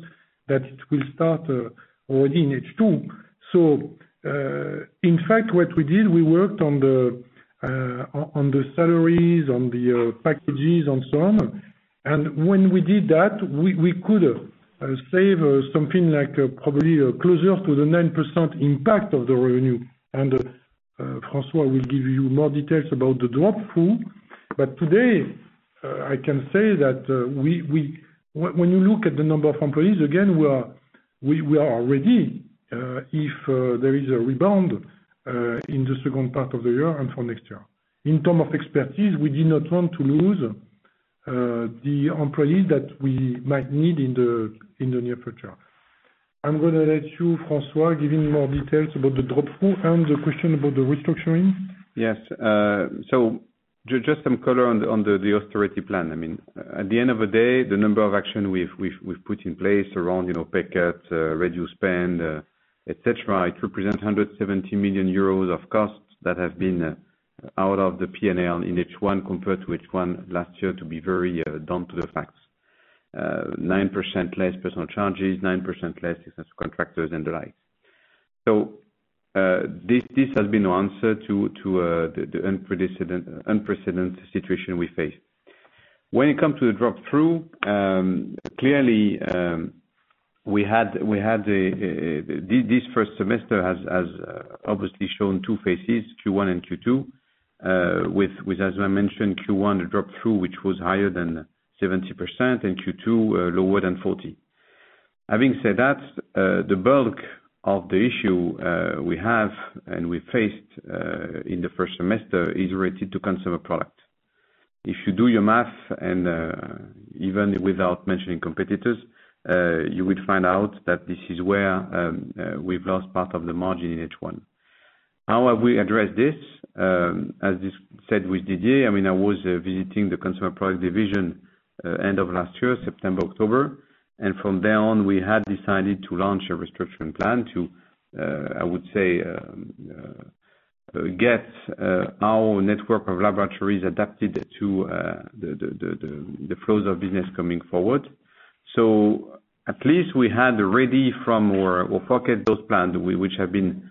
that it will start already in H2. In fact, what we did, we worked on the salaries, on the packages, and so on. When we did that, we could save something like probably closer to the 9% impact of the revenue. François will give you more details about the drop-through. Today, I can say that when you look at the number of employees, again, we are ready if there is a rebound in the second part of the year and for next year. In terms of expertise, we did not want to lose the employees that we might need in the near future. I'm going to let you, François, give him more details about the drop-through and the question about the restructuring. Yes. Just some color on the austerity plan. At the end of the day, the number of action we've put in place around pay cut, reduce spend, et cetera, it represents 170 million euros of costs that have been out of the P&L in H1 compared to H1 last year to be very down to the facts. 9% less personal charges, 9% less business contractors and the like. This has been our answer to the unprecedented situation we face. When it comes to the drop-through, clearly, this first semester has obviously shown two phases, Q1 and Q2, with, as I mentioned, Q1 drop-through, which was higher than 70%, and Q2 lower than 40%. Having said that, the bulk of the issue we have and we faced in the first semester is related to Consumer Products. If you do your math, even without mentioning competitors, you would find out that this is where we've lost part of the margin in H1. How have we addressed this? As you said with Didier, I was visiting the Consumer Products division end of last year, September, October. From then on, we had decided to launch a restructuring plan to, I would say, get our network of laboratories adapted to the flows of business coming forward. At least we had ready from our pocket those plans which have been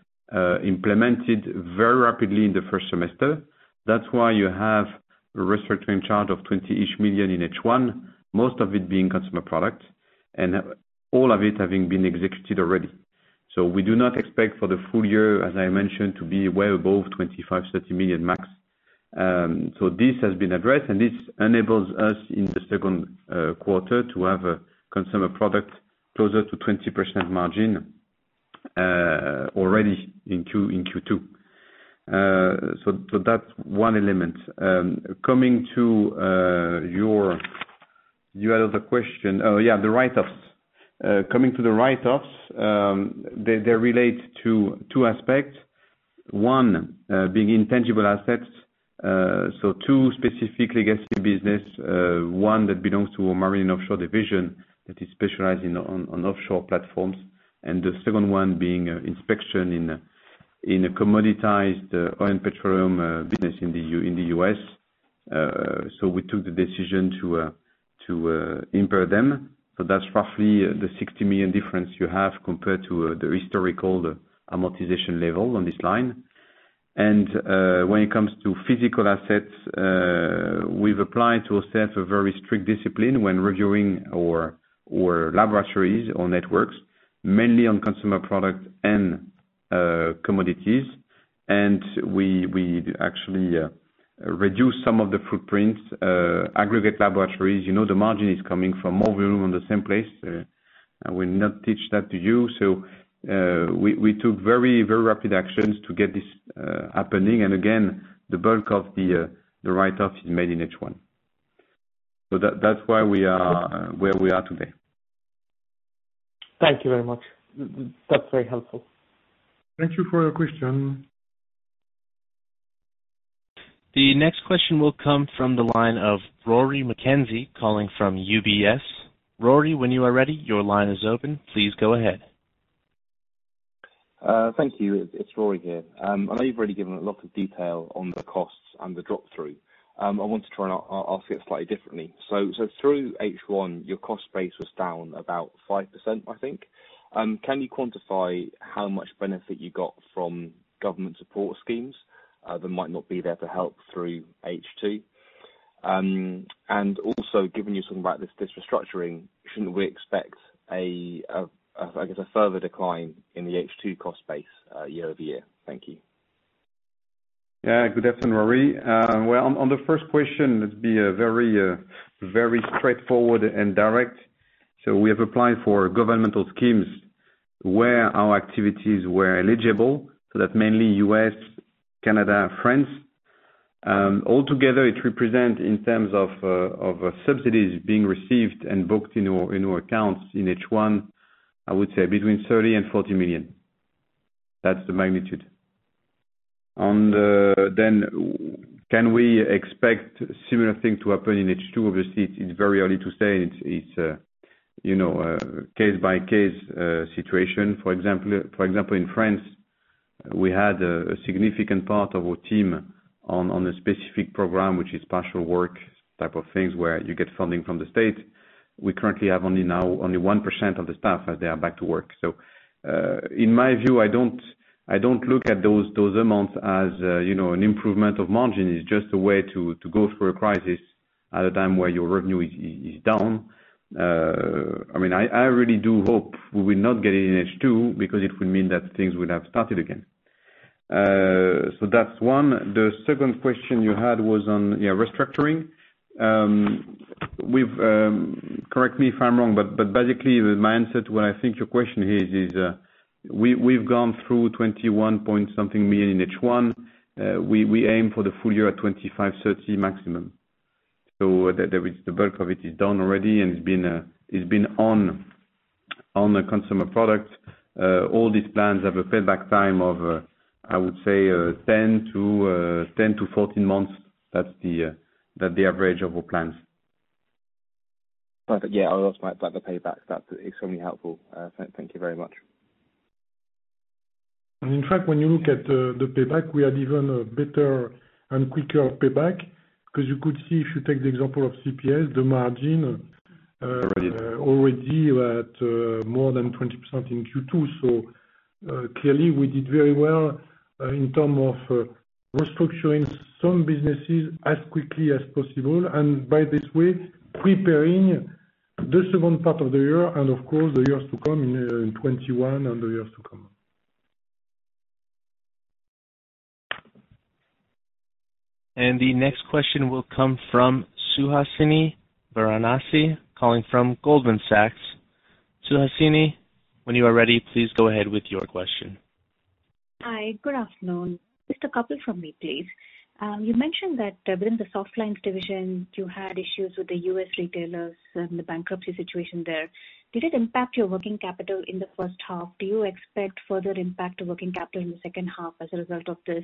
implemented very rapidly in the first semester. That's why you have restructuring charge of 20 million in H1, most of it being Consumer Products, and all of it having been executed already. We do not expect for the full year, as I mentioned, to be well above 25 million-30 million max. This has been addressed, and this enables us in the second quarter to have a Consumer Products closer to 20% margin already in Q2. Coming to your other question. Oh, yeah, the write-offs. Coming to the write-offs, they relate to two aspects. One being intangible assets. Two specifically against the business. One that belongs to our Marine & Offshore division that is specialized in offshore platforms, and the second one being inspection in a commoditized oil and petroleum business in the U.S. We took the decision to impair them. That's roughly the 60 million difference you have compared to the historical amortization level on this line. When it comes to physical assets, we've applied to ourselves a very strict discipline when reviewing our laboratories or networks, mainly on Consumer Products and Commodities. We actually reduced some of the footprints, aggregate laboratories. The margin is coming from more volume on the same place. I will not teach that to you. We took very rapid actions to get this happening. Again, the bulk of the write-off is made in H1. That's where we are today. Thank you very much. That's very helpful. Thank you for your question. The next question will come from the line of Rory McKenzie calling from UBS. Rory, when you are ready, your line is open. Please go ahead. Thank you. It's Rory here. I know you've already given a lot of detail on the costs and the drop-through. I want to try and ask it slightly differently. Through H1, your cost base was down about 5%, I think. Can you quantify how much benefit you got from government support schemes that might not be there to help through H2? Given you're talking about this restructuring, shouldn't we expect, I guess, a further decline in the H2 cost base year-over-year? Thank you. Yeah. Good afternoon, Rory. Well, on the first question, let's be very straightforward and direct. We have applied for governmental schemes where our activities were eligible, that's mainly U.S., Canada, France. Altogether, it represents, in terms of subsidies being received and booked in our accounts in H1, I would say between 30 million and 40 million. That's the magnitude. Can we expect similar thing to happen in H2? Obviously, it's very early to say. It's a case-by-case situation. For example, in France, we had a significant part of our team on a specific program, which is partial work type of things, where you get funding from the state. We currently have only now 1% of the staff as they are back to work. In my view, I don't look at those amounts as an improvement of margin. It's just a way to go through a crisis at a time where your revenue is down. I really do hope we will not get it in H2 because it would mean that things would have started again. That's one. The second question you had was on restructuring. Correct me if I'm wrong, basically my answer to what I think your question is, we've gone through EUR 21-point-something million in H1. We aim for the full year at 25 million, 30 million maximum. The bulk of it is done already, and it's been on the Consumer Products, all these plans have a payback time of, I would say, 10-14 months. That's the average of all plans. Perfect. Yeah, I lost my payback. That's extremely helpful. Thank you very much. In fact, when you look at the payback, we had even a better and quicker payback because you could see if you take the example of CPS. Right Already we're at more than 20% in Q2. Clearly we did very well in terms of restructuring some businesses as quickly as possible and by this way, preparing the second part of the year and of course the years to come in 2021 and the years to come. The next question will come from Suhasini Varanasi, calling from Goldman Sachs. Suhasini, when you are ready, please go ahead with your question. Hi, good afternoon. Just a couple from me, please. You mentioned that within the Softline division, you had issues with the U.S. retailers and the bankruptcy situation there. Did it impact your working capital in the first half? Do you expect further impact to working capital in the second half as a result of this?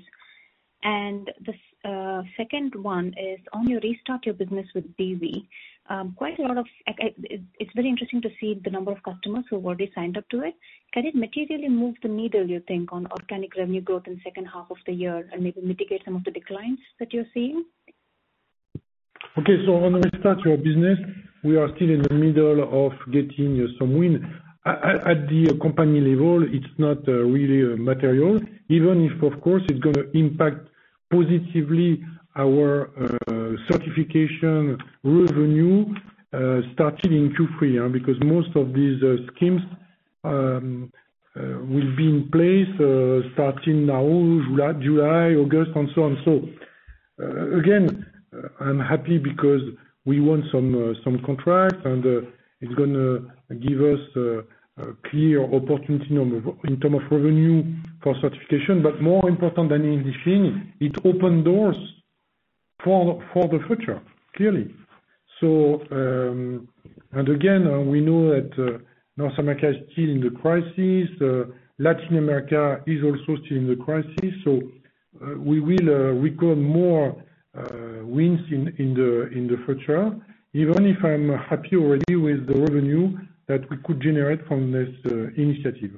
The second one is on your Restart your Business with BV. It's very interesting to see the number of customers who've already signed up to it. Can it materially move the needle you think on organic revenue growth in second half of the year and maybe mitigate some of the declines that you're seeing? Okay. On Restart your Business with BV, we are still in the middle of getting some win. At the company level, it's not really material even if, of course, it's gonna impact positively our Certification revenue, starting in Q3. Because most of these schemes will be in place starting now, July, August, and so on. Again, I'm happy because we won some contracts and it's gonna give us a clear opportunity in term of revenue for Certification. More important than anything, it open doors for the future, clearly. Again, we know that North America is still in the crisis. Latin America is also still in the crisis. We will record more wins in the future, even if I'm happy already with the revenue that we could generate from this initiative.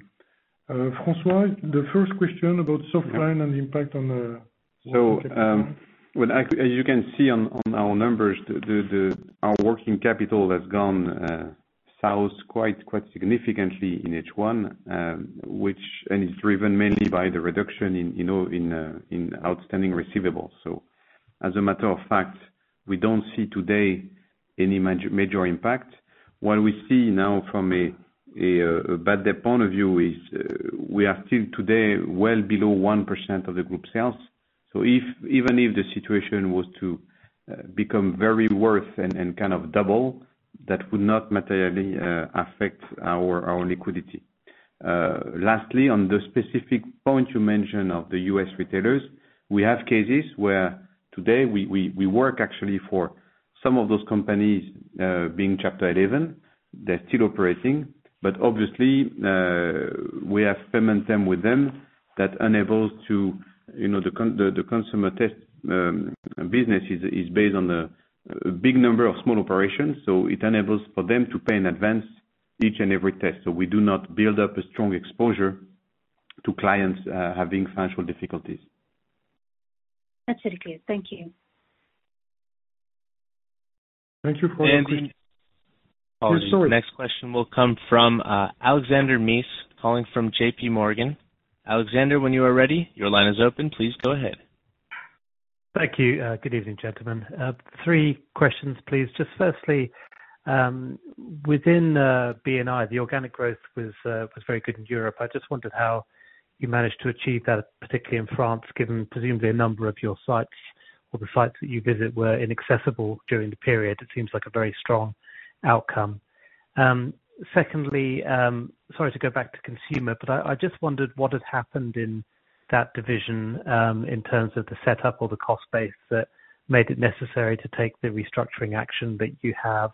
François, the first question about Softline and the impact on the working capital. As you can see on our numbers, our working capital has gone south quite significantly in H1, and it's driven mainly by the reduction in outstanding receivables. As a matter of fact, we don't see today any major impact. What we see now from a bad debt point of view is we are still today well below 1% of the group sales. Even if the situation was to become very worse and kind of double, that would not materially affect our liquidity. Lastly, on the specific point you mentioned of the U.S. retailers, we have cases where today we work actually for some of those companies being Chapter 11. They're still operating, obviously, we have term and term with them. The consumer test business is based on a big number of small operations, so it enables for them to pay in advance each and every test. We do not build up a strong exposure to clients having financial difficulties. That's really clear. Thank you. Thank you for the question. And the next- Sorry. The next question will come from Alexander Mees, calling from J.P. Morgan. Alexander, when you are ready, your line is open. Please go ahead. Thank you. Good evening, gentlemen. Three questions, please. Firstly, within B&I, the organic growth was very good in Europe. I just wondered how you managed to achieve that, particularly in France, given presumably a number of your sites or the sites that you visit were inaccessible during the period. It seems like a very strong outcome. Secondly, sorry to go back to Consumer Products, I just wondered what had happened in that division, in terms of the setup or the cost base that made it necessary to take the restructuring action that you have.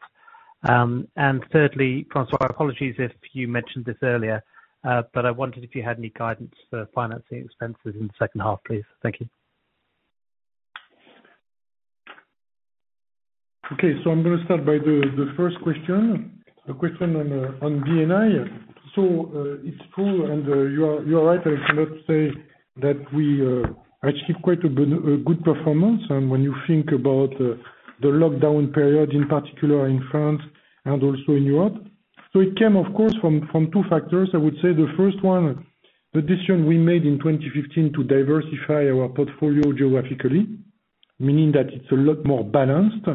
Thirdly, François, apologies if you mentioned this earlier, I wondered if you had any guidance for financing expenses in the second half, please. Thank you. Okay. I'm gonna start by the first question, the question on B&I. It's true, and you are right. I cannot say that we achieve quite a good performance and when you think about the lockdown period, in particular in France and also in Europe. It came, of course, from two factors, I would say. The first one, the decision we made in 2015 to diversify our portfolio geographically, meaning that it's a lot more balanced.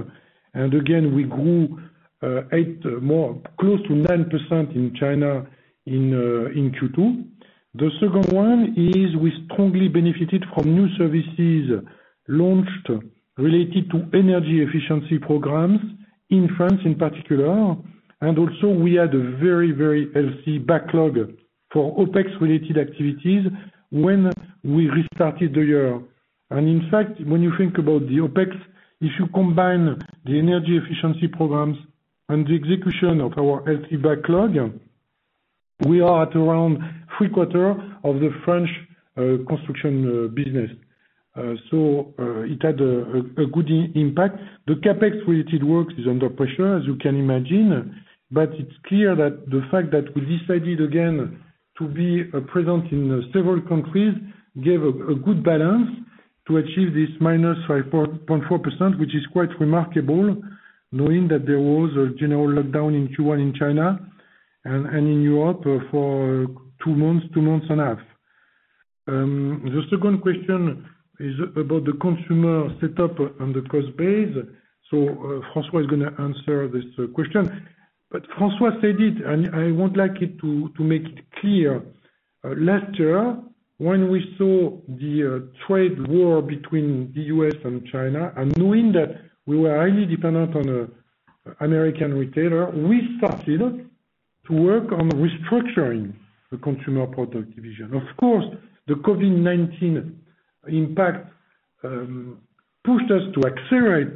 Again, we grew close to 9% in China in Q2. The second one is we strongly benefited from new services launched related to energy efficiency programs in France in particular. Also, we had a very, very healthy backlog for OpEx related activities when we restarted the year. In fact, when you think about the OpEx, if you combine the energy efficiency programs and the execution of our healthy backlog, we are at around three-quarter of the French construction business. It had a good impact. The CapEx related work is under pressure, as you can imagine. It's clear that the fact that we decided again to be present in several countries gave a good balance to achieve this minus 5.4%, which is quite remarkable knowing that there was a general lockdown in Q1 in China and in Europe for two months, two months and a half. The second question is about the consumer setup and the cost base. François is going to answer this question. François said it, and I would like to make it clear. Last year, when we saw the trade war between the U.S. and China, and knowing that we were highly dependent on American retailer, we started to work on restructuring the Consumer Products division. Of course, the COVID-19 impact pushed us to accelerate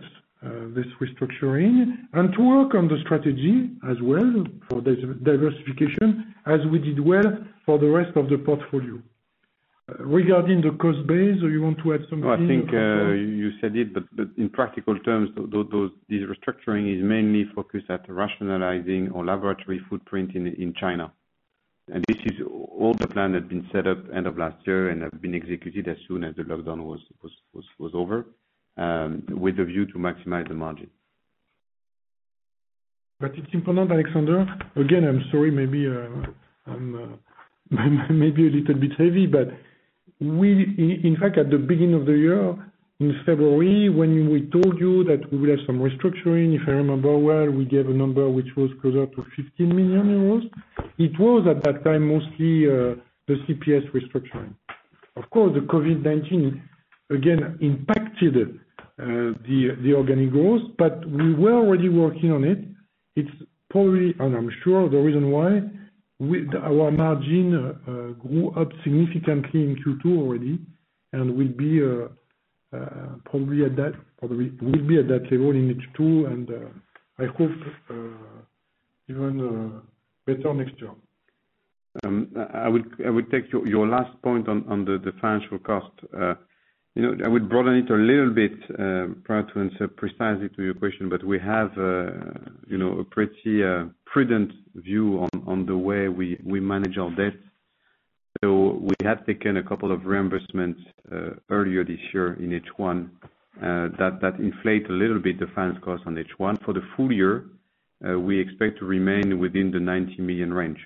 this restructuring and to work on the strategy as well for diversification, as we did well for the rest of the portfolio. Regarding the cost base, you want to add something, François? I think you said it, but in practical terms, this restructuring is mainly focused at rationalizing our laboratory footprint in China. This is all the plan that been set up end of last year and have been executed as soon as the lockdown was over, with a view to maximize the margin. It's important, Alexander. Again, I'm sorry, maybe I'm a little bit heavy, but we, in fact, at the beginning of the year in February, when we told you that we will have some restructuring, if I remember well, we gave a number which was closer to 15 million euros. It was at that time, mostly, the CPS restructuring. Of course, the COVID-19 again impacted the organic growth, but we were already working on it. It's probably, and I'm sure, the reason why our margin grew up significantly in Q2 already and will be at that level in H2 and I hope even better next year. I would take your last point on the financial cost. I would broaden it a little bit, prior to answer precisely to your question, but we have a pretty prudent view on the way we manage our debts. We have taken a couple of reimbursements earlier this year in H1 that inflate a little bit the finance cost on H1. For the full year, we expect to remain within the 90 million range.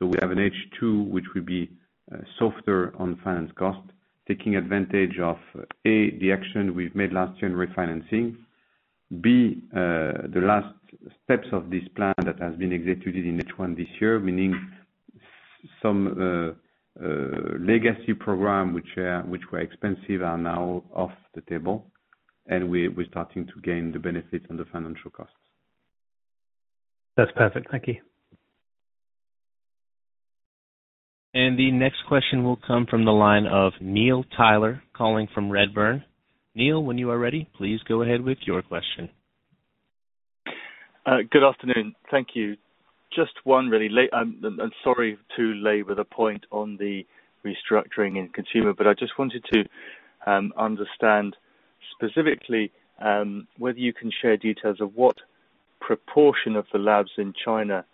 We have an H2, which will be softer on finance cost, taking advantage of, A, the action we've made last year in refinancing. B, the last steps of this plan that has been executed in H1 this year, meaning some legacy program, which were expensive, are now off the table, and we're starting to gain the benefit on the financial costs. That's perfect. Thank you. The next question will come from the line of Neil Tyler calling from Redburn. Neil, when you are ready, please go ahead with your question. Good afternoon. Thank you. Just one really. I'm sorry to labor the point on the restructuring in Consumer, but I just wanted to understand specifically whether you can share details of what proportion of the labs in China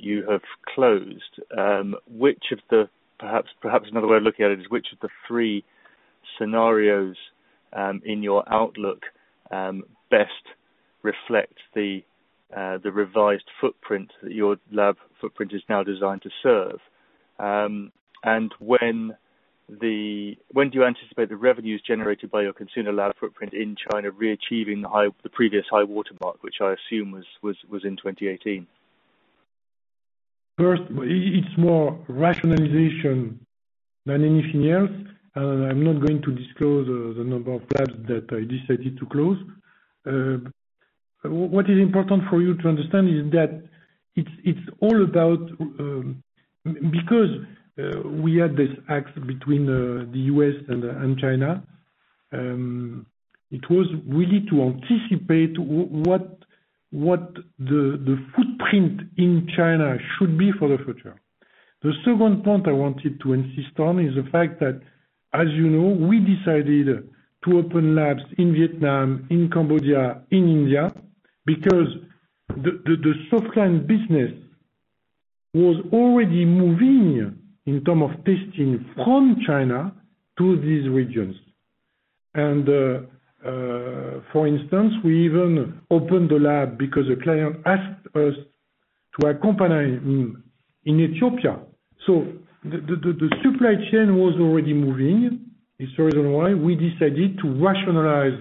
you have closed. Perhaps another way of looking at it is which of the three scenarios in your outlook best reflect the revised footprint that your lab footprint is now designed to serve? When do you anticipate the revenues generated by your Consumer lab footprint in China, re-achieving the previous high watermark, which I assume was in 2018? First, it's more rationalization than anything else. I'm not going to disclose the number of labs that I decided to close. What is important for you to understand is that it's all about. Because we had this act between the U.S. and China, it was really to anticipate what the footprint in China should be for the future. The second point I wanted to insist on is the fact that, as you know, we decided to open labs in Vietnam, in Cambodia, in India, because the Softline business was already moving in term of testing from China to these regions. For instance, we even opened a lab because a client asked us to accompany him in Ethiopia. The supply chain was already moving. It's the reason why we decided to rationalize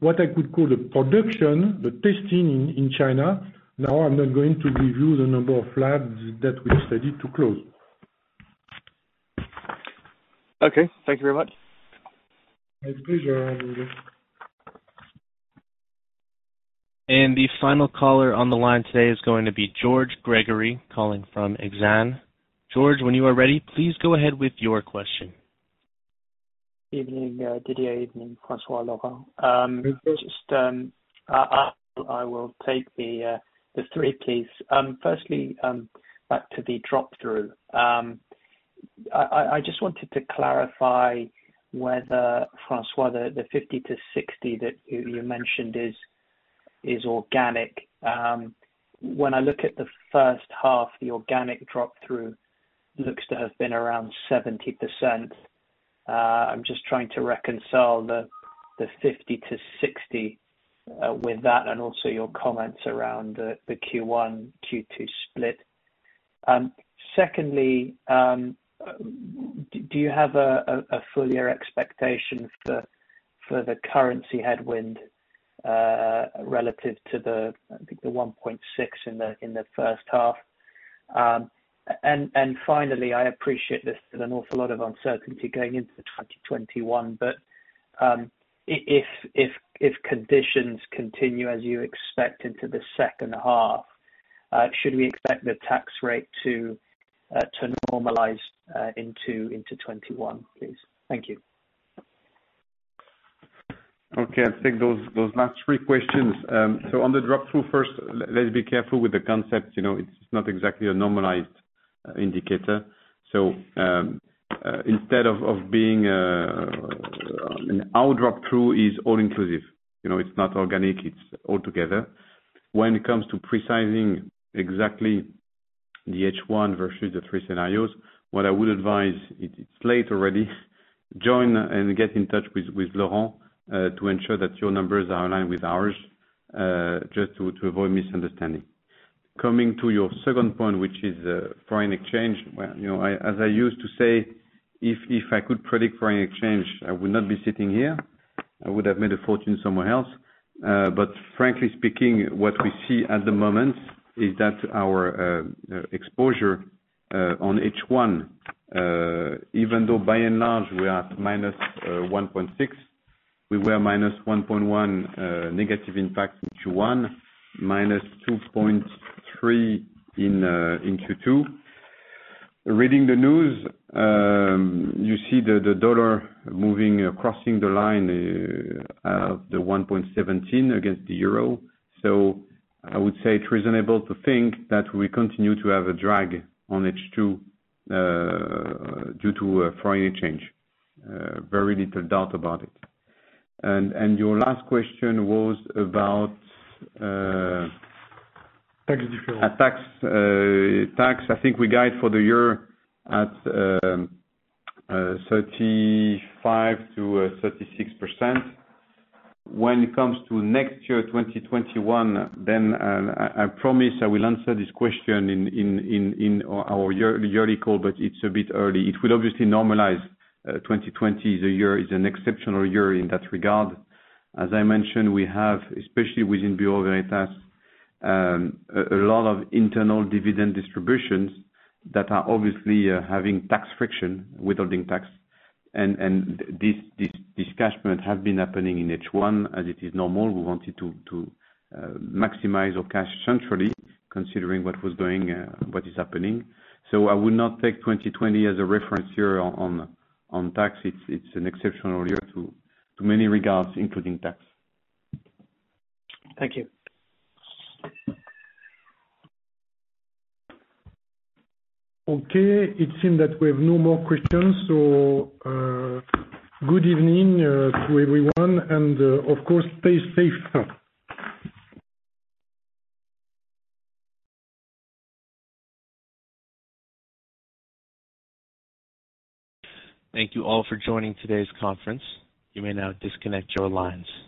what I could call the production, the testing in China. I'm not going to give you the number of labs that we've decided to close. Okay. Thank you very much. My pleasure. The final caller on the line today is going to be George Gregory calling from Exane. George, when you are ready, please go ahead with your question. Evening, Didier. Evening, François, Laurent. I will take the three, please. Firstly, back to the drop-through. I just wanted to clarify whether, François, the 50-60 that you mentioned is organic. When I look at the first half, the organic drop-through looks to have been around 70%. I'm just trying to reconcile the 50-60 with that and also your comments around the Q1, Q2 split. Secondly, do you have a full year expectation for the currency headwind, relative to, I think, the 1.6 in the first half? Finally, I appreciate there's an awful lot of uncertainty going into 2021, if conditions continue as you expect into the second half, should we expect the tax rate to normalize into 2021, please? Thank you. I'll take those last three questions. On the drop-through first, let's be careful with the concept. It's not exactly a normalized indicator. Our drop-through is all inclusive. It's not organic. It's altogether. When it comes to precising exactly the H1 versus the three scenarios, what I would advise, it's late already, join and get in touch with Laurent to ensure that your numbers are aligned with ours, just to avoid misunderstanding. Coming to your second point, which is foreign exchange. As I used to say, if I could predict foreign exchange, I would not be sitting here. I would have made a fortune somewhere else. Frankly speaking, what we see at the moment is that our exposure on H1, even though by and large we are at -1.6, we were -1.1 negative impact in Q1, -2.3 in Q2. Reading the news, you see the dollar crossing the line of the 1.17 against the euro. I would say it's reasonable to think that we continue to have a drag on H2 due to foreign exchange. Very little doubt about it. Your last question was. Tax differential. tax. I think we guide for the year at 35% to 36%. When it comes to next year, 2021, I promise I will answer this question in our yearly call, but it's a bit early. It will obviously normalize. 2020 is an exceptional year in that regard. As I mentioned, we have, especially within Bureau Veritas, a lot of internal dividend distributions that are obviously having tax friction withholding tax, and this cashment has been happening in H1 as it is normal. We wanted to maximize our cash centrally considering what is happening. I would not take 2020 as a reference year on tax. It's an exceptional year to many regards, including tax. Thank you. Okay, it seems that we have no more questions, so good evening to everyone and, of course, stay safe. Thank you all for joining today's conference. You may now disconnect your lines.